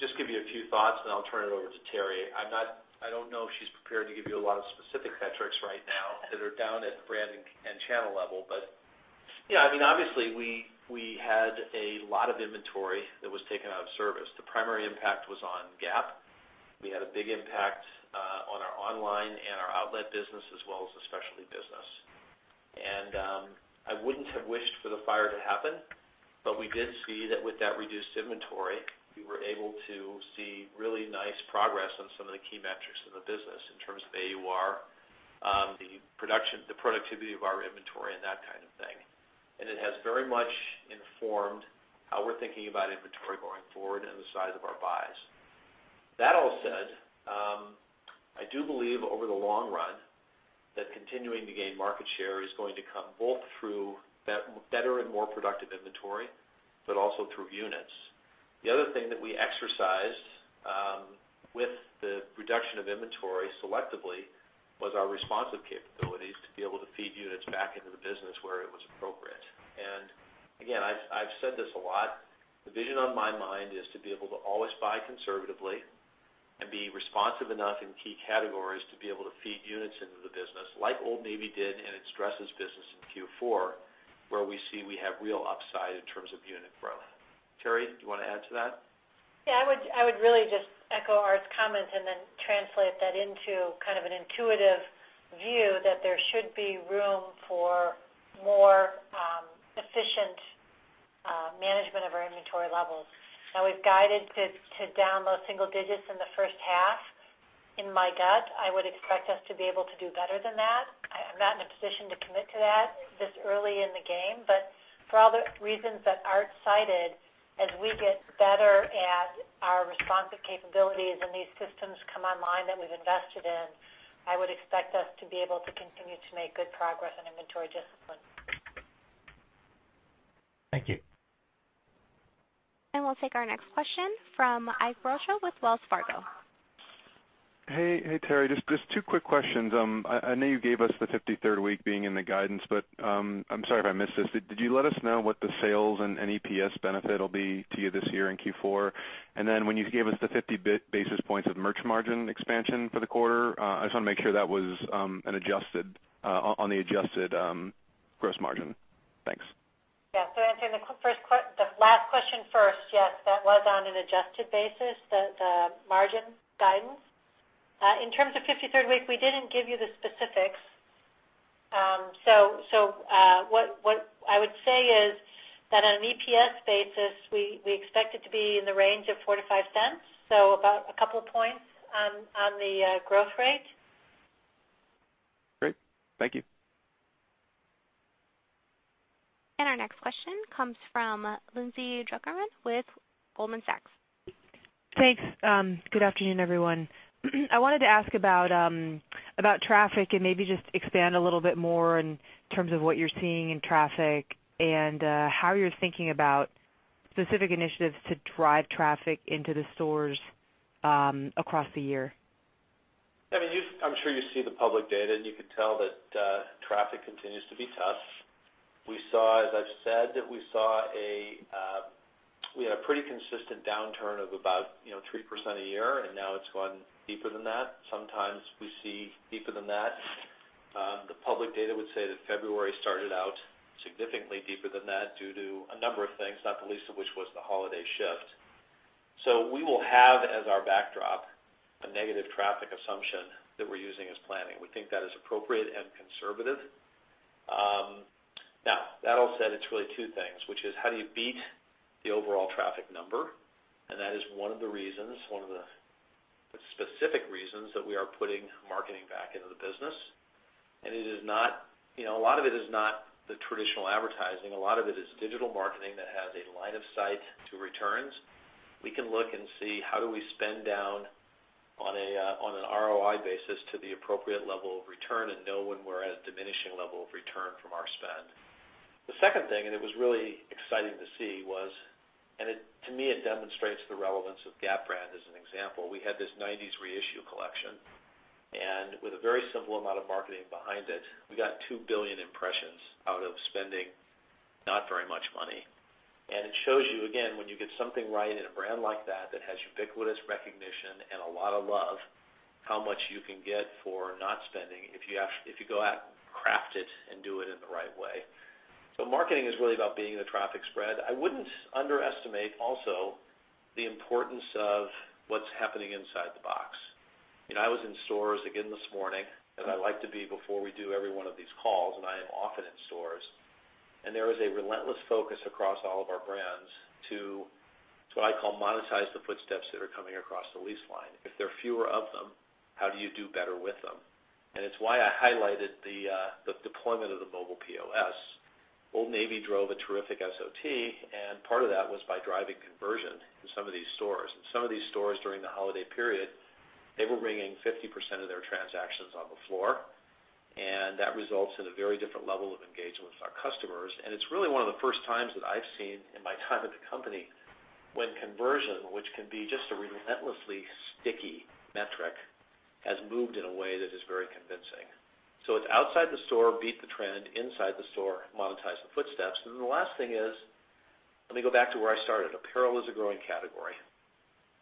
just give you a few thoughts, and then I'll turn it over to Teri. I don't know if she's prepared to give you a lot of specific metrics right now that are down at brand and channel level. Obviously, we had a lot of inventory that was taken out of service. The primary impact was on Gap. We had a big impact on our online and our outlet business, as well as the specialty business. I wouldn't have wished for the fire to happen, we did see that with that reduced inventory, we were able to see really nice progress on some of the key metrics of the business in terms of AUR, the productivity of our inventory, and that kind of thing. It has very much informed how we're thinking about inventory going forward and the size of our buys. That all said, I do believe over the long run that continuing to gain market share is going to come both through better and more productive inventory, but also through units. The other thing that we exercised with the reduction of inventory selectively was our responsive capabilities to be able to feed units back into the business where it was appropriate. Again, I've said this a lot. The vision on my mind is to be able to always buy conservatively and be responsive enough in key categories to be able to feed units into the business like Old Navy did in its dresses business in Q4, where we see we have real upside in terms of unit growth. Teri, do you want to add to that? Yeah, I would really just echo Art's comment and then translate that into kind of an intuitive view that there should be room for more efficient management of our inventory levels. Now, we've guided to down low single digits in the first half. In my gut, I would expect us to be able to do better than that. I'm not in a position to commit to that this early in the game, but for all the reasons that Art cited, as we get better at our responsive capabilities and these systems come online that we've invested in, I would expect us to be able to continue to make good progress on inventory discipline. Thank you. We'll take our next question from Ike Boruchow with Wells Fargo. Hey, Teri. Just two quick questions. I know you gave us the 53rd week being in the guidance. I am sorry if I missed this, did you let us know what the sales and EPS benefit will be to you this year in Q4? When you gave us the 50 basis points of merch margin expansion for the quarter, I just want to make sure that was on the adjusted gross margin. Thanks. Yeah. Answering the last question first. Yes, that was on an adjusted basis, the margin guidance. In terms of 53rd week, we didn't give you the specifics. What I would say is that on an EPS basis, we expect it to be in the range of $0.04-$0.05, about a couple of points on the growth rate. Great. Thank you. Our next question comes from Lindsay Drucker Mann with Goldman Sachs. Thanks. Good afternoon, everyone. I wanted to ask about traffic and maybe just expand a little bit more in terms of what you're seeing in traffic and how you're thinking about specific initiatives to drive traffic into the stores across the year. I'm sure you see the public data. You can tell that traffic continues to be tough. As I've said, we had a pretty consistent downturn of about 3% a year, and now it's gone deeper than that. Sometimes we see deeper than that. The public data would say that February started out significantly deeper than that due to a number of things, not the least of which was the holiday shift. We will have as our backdrop, a negative traffic assumption that we're using as planning. We think that is appropriate and conservative. That all said, it's really two things, which is how do you beat the overall traffic number, and that is one of the specific reasons that we are putting marketing back into the business. A lot of it is not the traditional advertising. A lot of it is digital marketing that has a line of sight to returns. We can look and see how do we spend down on an ROI basis to the appropriate level of return and know when we're at a diminishing level of return from our spend. The second thing, it was really exciting to see was, and to me, it demonstrates the relevance of Gap brand as an example. We had this '90s reissue collection, and with a very simple amount of marketing behind it, we got 2 billion impressions out of spending not very much money. It shows you, again, when you get something right in a brand like that has ubiquitous recognition and a lot of love, how much you can get for not spending if you go out, craft it, and do it in the right way. Marketing is really about being the traffic spread. I wouldn't underestimate also the importance of what's happening inside the box. I was in stores again this morning, as I like to be before we do every one of these calls, and I am often in stores. There is a relentless focus across all of our brands to what I call monetize the footsteps that are coming across the lease line. If there are fewer of them, how do you do better with them? It's why I highlighted the deployment of the mobile POS. Old Navy drove a terrific SOT, and part of that was by driving conversion in some of these stores. Some of these stores during the holiday period, they were ringing 50% of their transactions on the floor, and that results in a very different level of engagement with our customers. It's really one of the first times that I've seen in my time at the company when conversion, which can be just a relentlessly sticky metric has moved in a way that is very convincing. It's outside the store, beat the trend, inside the store, monetize the footsteps. The last thing is, let me go back to where I started. Apparel is a growing category,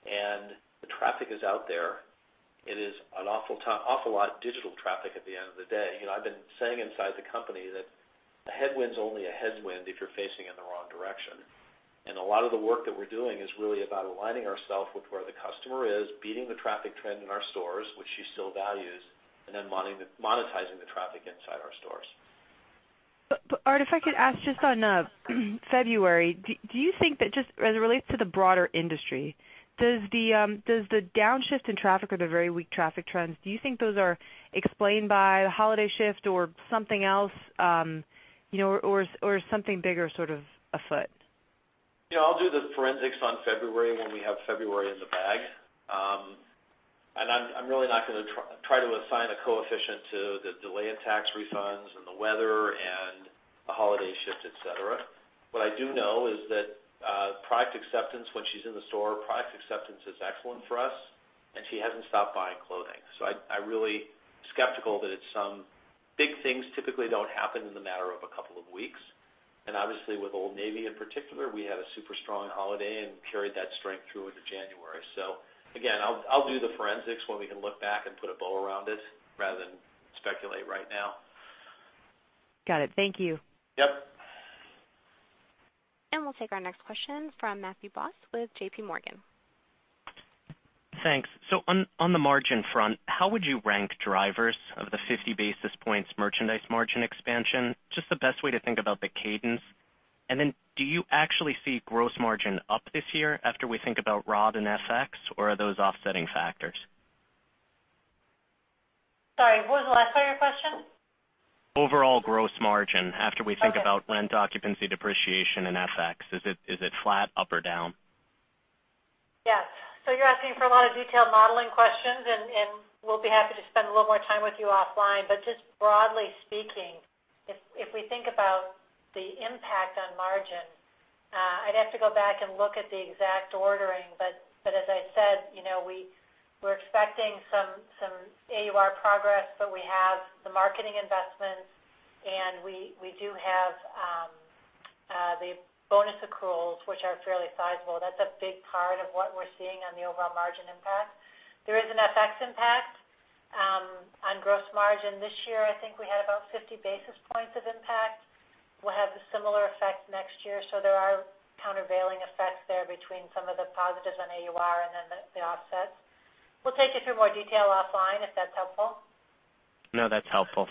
and the traffic is out there. It is an awful lot digital traffic at the end of the day. I've been saying inside the company that a headwind's only a headwind if you're facing in the wrong direction. A lot of the work that we're doing is really about aligning ourself with where the customer is, beating the traffic trend in our stores, which she still values, and then monetizing the traffic inside our stores. Art, if I could ask just on February, as it relates to the broader industry, does the downshift in traffic or the very weak traffic trends, do you think those are explained by the holiday shift or something else, or is something bigger sort of afoot? I'll do the forensics on February when we have February in the bag. I'm really not going to try to assign a coefficient to the delay in tax refunds and the weather and the holiday shift, et cetera. What I do know is that product acceptance when she's in the store, product acceptance is excellent for us, and she hasn't stopped buying clothing. I'm really skeptical that it's some big things typically don't happen in the matter of a couple of weeks. Obviously with Old Navy in particular, we had a super strong holiday and carried that strength through into January. Again, I'll do the forensics when we can look back and put a bow around it rather than speculate right now. Got it. Thank you. Yep. We'll take our next question from Matthew Boss with JPMorgan. Thanks. On the margin front, how would you rank drivers of the 50 basis points merchandise margin expansion? Just the best way to think about the cadence. Do you actually see gross margin up this year after we think about ROD and FX, or are those offsetting factors? Sorry, what was the last part of your question? Overall gross margin after we think about Okay rent occupancy, depreciation, and FX. Is it flat, up, or down? Yes. You're asking for a lot of detailed modeling questions, and we'll be happy to spend a little more time with you offline. Just broadly speaking, if we think about the impact on margin, I'd have to go back and look at the exact ordering, but as I said, we're expecting some AUR progress, but we have the marketing investments, and we do have the bonus accruals, which are fairly sizable. That's a big part of what we're seeing on the overall margin impact. There is an FX impact on gross margin this year. I think we had about 50 basis points of impact. We'll have a similar effect next year. There are countervailing effects there between some of the positives on AUR and then the offsets. We'll take you through more detail offline, if that's helpful. No, that's helpful.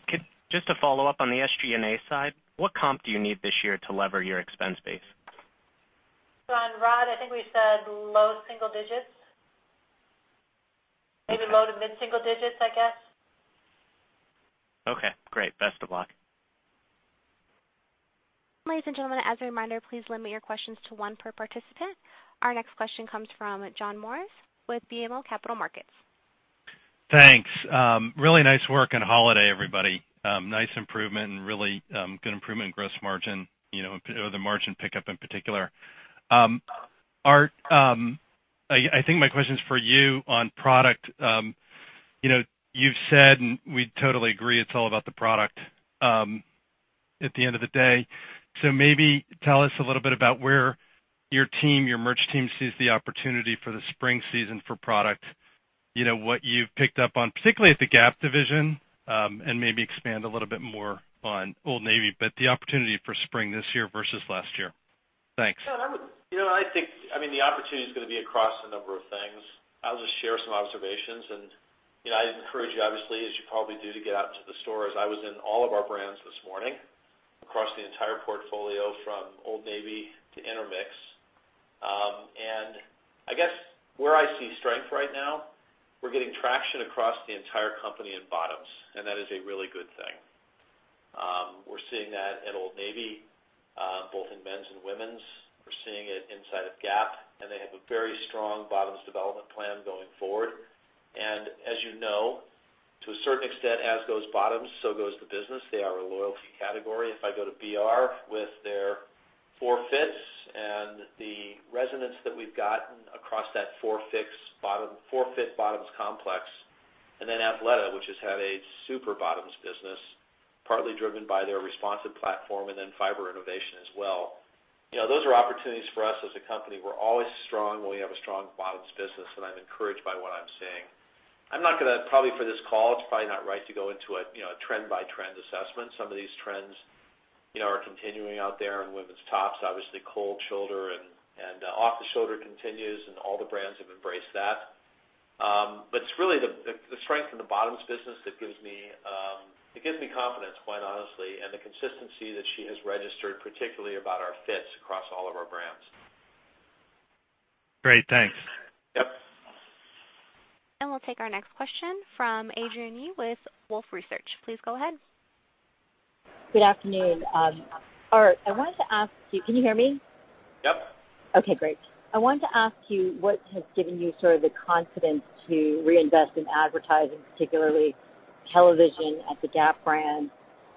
Just to follow up on the SG&A side, what comp do you need this year to lever your expense base? On ROD, I think we said low single digits. Maybe low to mid-single digits, I guess. Okay, great. Best of luck. Ladies and gentlemen, as a reminder, please limit your questions to one per participant. Our next question comes from John Morris with BMO Capital Markets. Thanks. Really nice work on holiday, everybody. Nice improvement and really good improvement in gross margin, the margin pickup in particular. Art, I think my question's for you on product. You've said, and we totally agree, it's all about the product at the end of the day. Maybe tell us a little bit about where your merch team sees the opportunity for the spring season for product. What you've picked up on, particularly at the Gap division, and maybe expand a little bit more on Old Navy, but the opportunity for spring this year versus last year. Thanks. John, I think the opportunity's gonna be across a number of things. I'll just share some observations, and I'd encourage you, obviously, as you probably do, to get out to the stores. I was in all of our brands this morning across the entire portfolio, from Old Navy to Intermix. I guess where I see strength right now, we're getting traction across the entire company in bottoms, and that is a really good thing. We're seeing that at Old Navy, both in men's and women's. We're seeing it inside of Gap, and they have a very strong bottoms development plan going forward. As you know, to a certain extent, as goes bottoms, so goes the business. They are a loyalty category. If I go to BR with their 4 fits and the resonance that we've gotten across that 4-fit bottoms complex, then Athleta, which has had a super bottoms business, partly driven by their responsive platform and then fiber innovation as well. Those are opportunities for us as a company. We're always strong when we have a strong bottoms business, and I'm encouraged by what I'm seeing. I'm not gonna, probably for this call, it's probably not right to go into a trend-by-trend assessment. Some of these trends are continuing out there in women's tops. Obviously, cold shoulder and off-the-shoulder continues, and all the brands have embraced that. It's really the strength in the bottoms business that gives me confidence, quite honestly, and the consistency that she has registered, particularly about our fits across all of our brands. Great. Thanks. Yep. We'll take our next question from Adrienne Yih with Wolfe Research. Please go ahead. Good afternoon. Art, I wanted to ask you. Can you hear me? Yep. Okay, great. I wanted to ask you what has given you sort of the confidence to reinvest in advertising, particularly television at the Gap brand,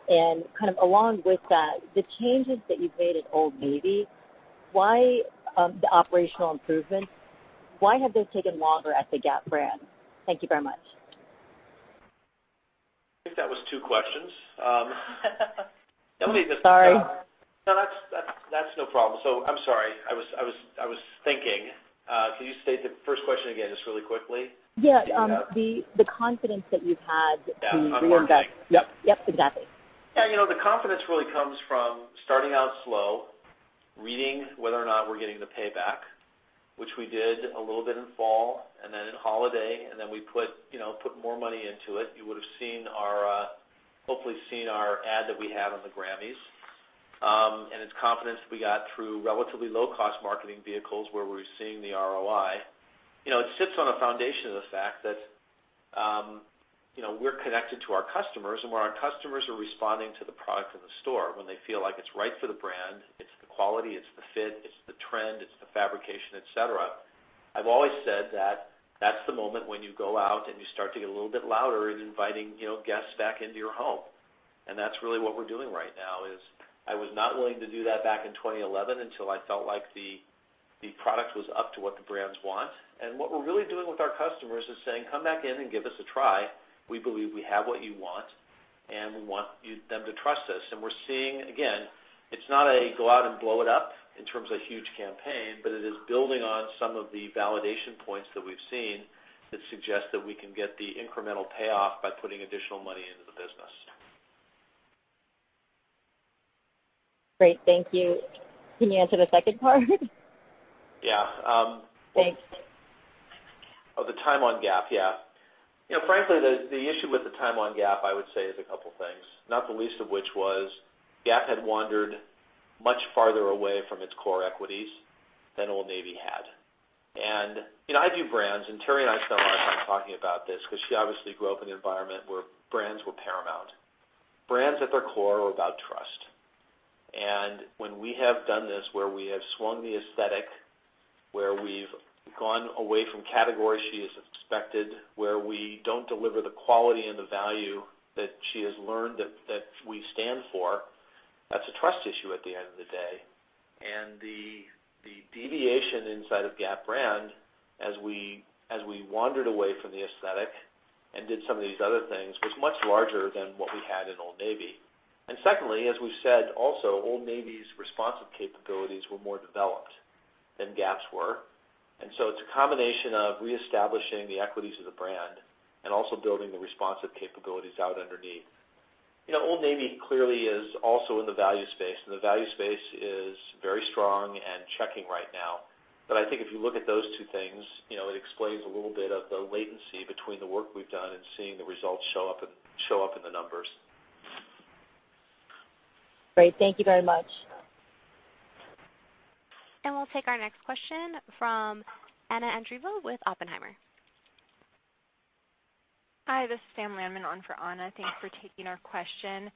and kind of along with that, the changes that you've made at Old Navy Why the operational improvements? Why have those taken longer at the Gap brand? Thank you very much. I think that was two questions. Sorry. No, that's no problem. I'm sorry. I was thinking. Can you state the first question again, just really quickly? Yeah. The confidence that you've had to reinvest. Yeah. On marketing. Yep. Exactly. Yeah. The confidence really comes from starting out slow, reading whether or not we're getting the payback, which we did a little bit in fall, and then in holiday, and then we put more money into it. You would've hopefully seen our ad that we have on the Grammys. It's confidence we got through relatively low-cost marketing vehicles where we're seeing the ROI. It sits on a foundation of the fact that we're connected to our customers, and where our customers are responding to the product in the store. When they feel like it's right for the brand, it's the quality, it's the fit, it's the trend, it's the fabrication, et cetera. I've always said that that's the moment when you go out and you start to get a little bit louder in inviting guests back into your home. That's really what we're doing right now is I was not willing to do that back in 2011 until I felt like the product was up to what the brands want. What we're really doing with our customers is saying, "Come back in and give us a try. We believe we have what you want, and we want them to trust us." We're seeing, again, it's not a go out and blow it up in terms of huge campaign, but it is building on some of the validation points that we've seen that suggest that we can get the incremental payoff by putting additional money into the business. Great. Thank you. Can you answer the second part? Yeah. Thanks. Time on Gap. The time on Gap. Yeah. Frankly, the issue with the time on Gap, I would say, is a couple things, not the least of which was Gap had wandered much farther away from its core equities than Old Navy had. I do brands, and Teri and I spent a lot of time talking about this because she obviously grew up in an environment where brands were paramount. Brands at their core are about trust. When we have done this where we have swung the aesthetic, where we've gone away from categories she has expected, where we don't deliver the quality and the value that she has learned that we stand for, that's a trust issue at the end of the day. The deviation inside of Gap brand as we wandered away from the aesthetic and did some of these other things, was much larger than what we had in Old Navy. Secondly, as we've said also, Old Navy's responsive capabilities were more developed than Gap's were. It's a combination of reestablishing the equities of the brand and also building the responsive capabilities out underneath. Old Navy clearly is also in the value space, and the value space is very strong and checking right now. I think if you look at those two things, it explains a little bit of the latency between the work we've done and seeing the results show up in the numbers. Great. Thank you very much. We'll take our next question from Anna Andreeva with Oppenheimer. Hi, this is Sam Landman on for Anna. Thanks for taking our question.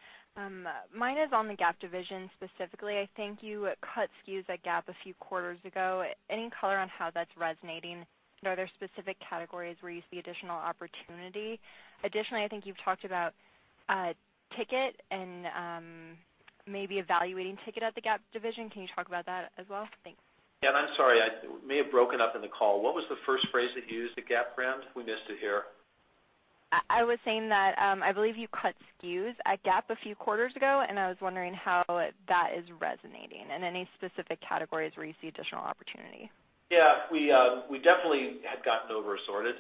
Mine is on the Gap division specifically. I think you cut SKUs at Gap a few quarters ago. Any color on how that's resonating? Are there specific categories where you see additional opportunity? Additionally, I think you've talked about ticket and maybe evaluating ticket at the Gap division. Can you talk about that as well? Thanks. Yeah, I'm sorry, I may have broken up in the call. What was the first phrase that you used at Gap brand? We missed it here. I was saying that, I believe you cut SKUs at Gap a few quarters ago, and I was wondering how that is resonating and any specific categories where you see additional opportunity. Yeah. We definitely had gotten over-assorted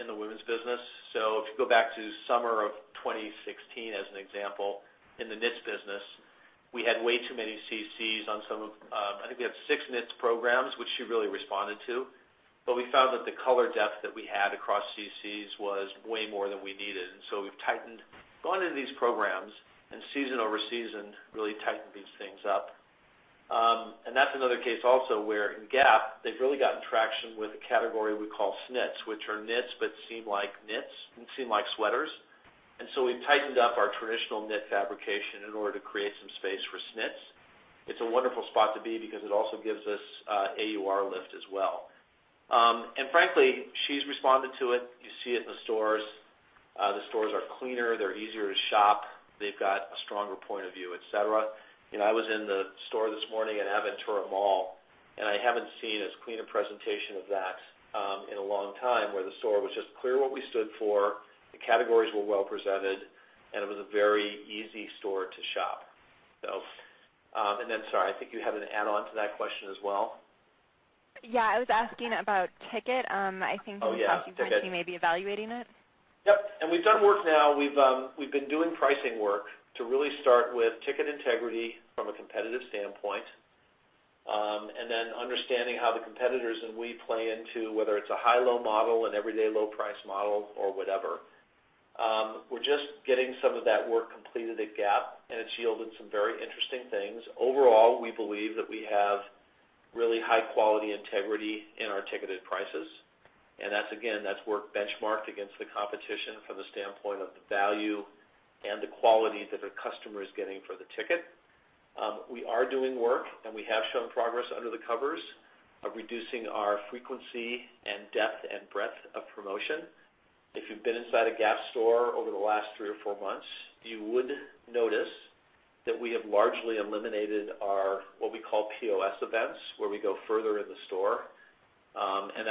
in the women's business. If you go back to summer of 2016 as an example, in the knits business, we had way too many CCs on. I think we had six knits programs, which she really responded to. We found that the color depth that we had across CCs was way more than we needed. We've tightened, gone into these programs, and season over season, really tightened these things up. That's another case also where in Gap, they've really gotten traction with a category we call snits, which are knits but seem like sweaters. We've tightened up our traditional knit fabrication in order to create some space for snits. It's a wonderful spot to be because it also gives us AUR lift as well. Frankly, she's responded to it. You see it in the stores. The stores are cleaner. They're easier to shop. They've got a stronger point of view, et cetera. I was in the store this morning at Aventura Mall, and I haven't seen as clean a presentation of that in a long time, where the store was just clear what we stood for, the categories were well presented, and it was a very easy store to shop. Sorry, I think you had an add-on to that question as well. I was asking about ticket. Ticket You talked about you maybe evaluating it. We've done work now. We've been doing pricing work to really start with ticket integrity from a competitive standpoint, and then understanding how the competitors and we play into whether it's a high-low model, an everyday low price model, or whatever. We're just getting some of that work completed at Gap, and it's yielded some very interesting things. Overall, we believe that we have really high-quality integrity in our ticketed prices, and that's again, that's work benchmarked against the competition from the standpoint of the value and the quality that a customer is getting for the ticket. We are doing work, and we have shown progress under the covers of reducing our frequency and depth and breadth of promotion. If you've been inside a Gap store over the last three or four months, you would notice that we have largely eliminated our, what we call POS events, where we go further in the store.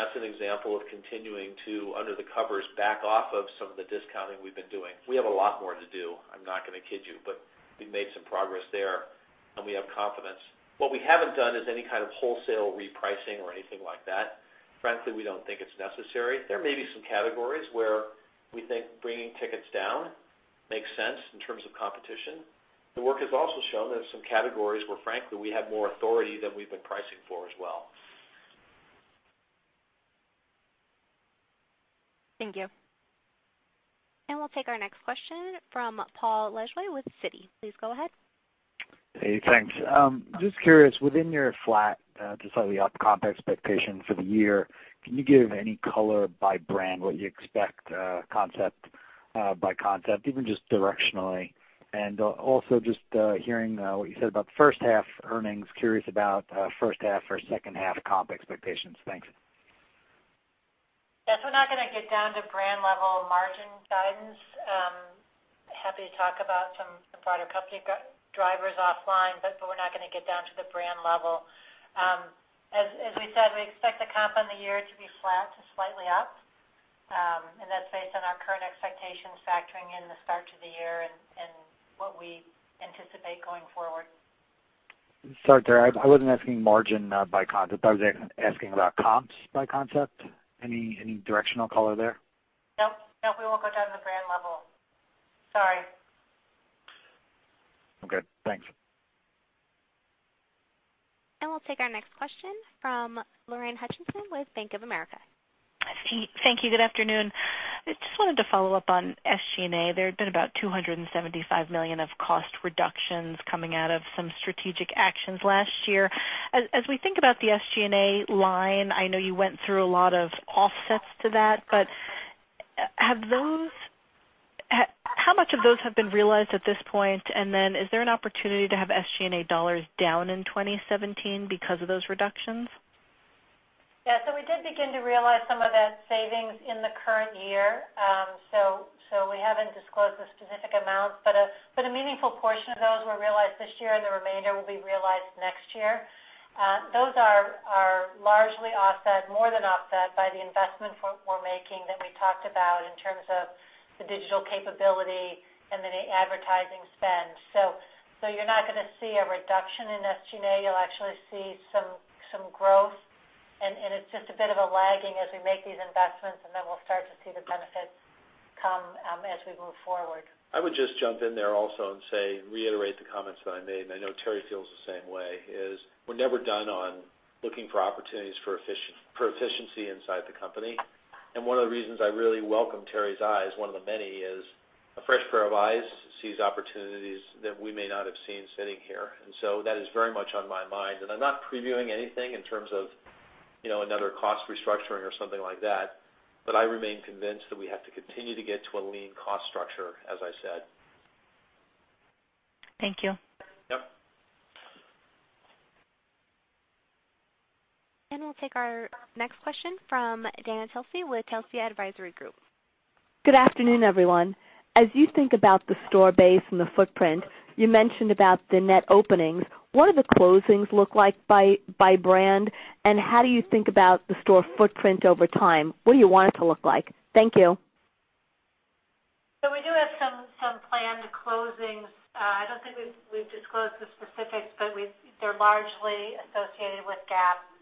That's an example of continuing to, under the covers, back off of some of the discounting we've been doing. We have a lot more to do, I'm not going to kid you, but we've made some progress there, and we have confidence. What we haven't done is any kind of wholesale repricing or anything like that. Frankly, we don't think it's necessary. There may be some categories where we think bringing tickets down makes sense in terms of competition. The work has also shown that some categories where frankly, we have more authority than we've been pricing for as well. Thank you. We'll take our next question from Paul Lejuez with Citi. Please go ahead. Hey, thanks. Just curious, within your flat to slightly up comp expectation for the year, can you give any color by brand, what you expect concept by concept, even just directionally? Also just hearing what you said about first half earnings, curious about first half or second half comp expectations. Thanks. Yes, we're not going to get down to brand-level margin guidance. Happy to talk about some of the broader company drivers offline. We're not going to get down to the brand level. As we said, we expect the comp on the year to be flat to slightly up. That's based on our current expectations factoring in the start to the year and what we anticipate going forward. Sorry, Teri. I wasn't asking margin by concept. I was asking about comps by concept. Any directional color there? No. We won't go down to the brand level. Sorry. Okay, thanks. We'll take our next question from Lorraine Hutchinson with Bank of America. Thank you. Good afternoon. I just wanted to follow up on SG&A. There had been about $275 million of cost reductions coming out of some strategic actions last year. We think about the SG&A line, I know you went through a lot of offsets to that, but how much of those have been realized at this point? Is there an opportunity to have SG&A dollars down in 2017 because of those reductions? Yeah. We did begin to realize some of that savings in the current year. We haven't disclosed the specific amounts, but a meaningful portion of those were realized this year, and the remainder will be realized next year. Those are largely offset, more than offset, by the investment we're making that we talked about in terms of the digital capability and the advertising spend. You're not going to see a reduction in SG&A. You'll actually see some growth, and it's just a bit of a lagging as we make these investments, and then we'll start to see the benefits come as we move forward. I would just jump in there also and say, reiterate the comments that I made, and I know Teri feels the same way, is we're never done on looking for opportunities for efficiency inside the company. One of the reasons I really welcome Teri's eyes, one of the many, is a fresh pair of eyes sees opportunities that we may not have seen sitting here. That is very much on my mind. I'm not previewing anything in terms of another cost restructuring or something like that, but I remain convinced that we have to continue to get to a lean cost structure, as I said. Thank you. Yep. We'll take our next question from Dana Telsey with Telsey Advisory Group. Good afternoon, everyone. As you think about the store base and the footprint, you mentioned about the net openings. What do the closings look like by brand, and how do you think about the store footprint over time? What do you want it to look like? Thank you. We do have some planned closings. I don't think we've disclosed the specifics, but they're largely associated with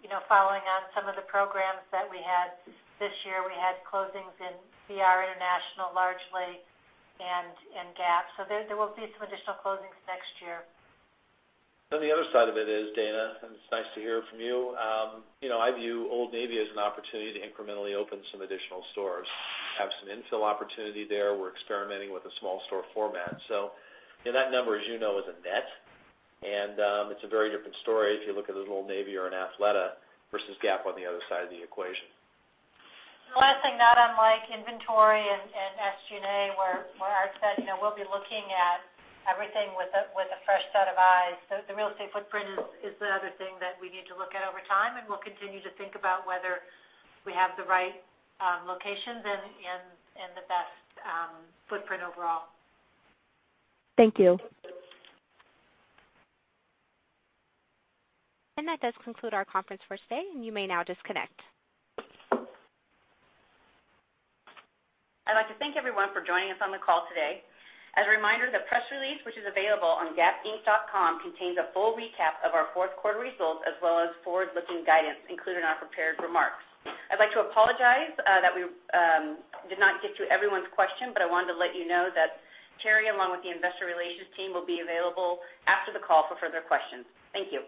Gap. Following on some of the programs that we had this year, we had closings in BR International, largely, and Gap. There will be some additional closings next year. The other side of it is, Dana, and it's nice to hear from you. I view Old Navy as an opportunity to incrementally open some additional stores. Have some infill opportunity there. We're experimenting with a small store format. That number, as you know, is a net, and it's a very different story if you look at an Old Navy or an Athleta versus Gap on the other side of the equation. The last thing, not unlike inventory and SG&A, where Art said we'll be looking at everything with a fresh set of eyes. The real estate footprint is the other thing that we need to look at over time, and we'll continue to think about whether we have the right locations and the best footprint overall. Thank you. That does conclude our conference for today, and you may now disconnect. I'd like to thank everyone for joining us on the call today. As a reminder, the press release, which is available on gapinc.com, contains a full recap of our fourth quarter results as well as forward-looking guidance, including our prepared remarks. I'd like to apologize that we did not get to everyone's question, but I wanted to let you know that Teri, along with the investor relations team, will be available after the call for further questions. Thank you.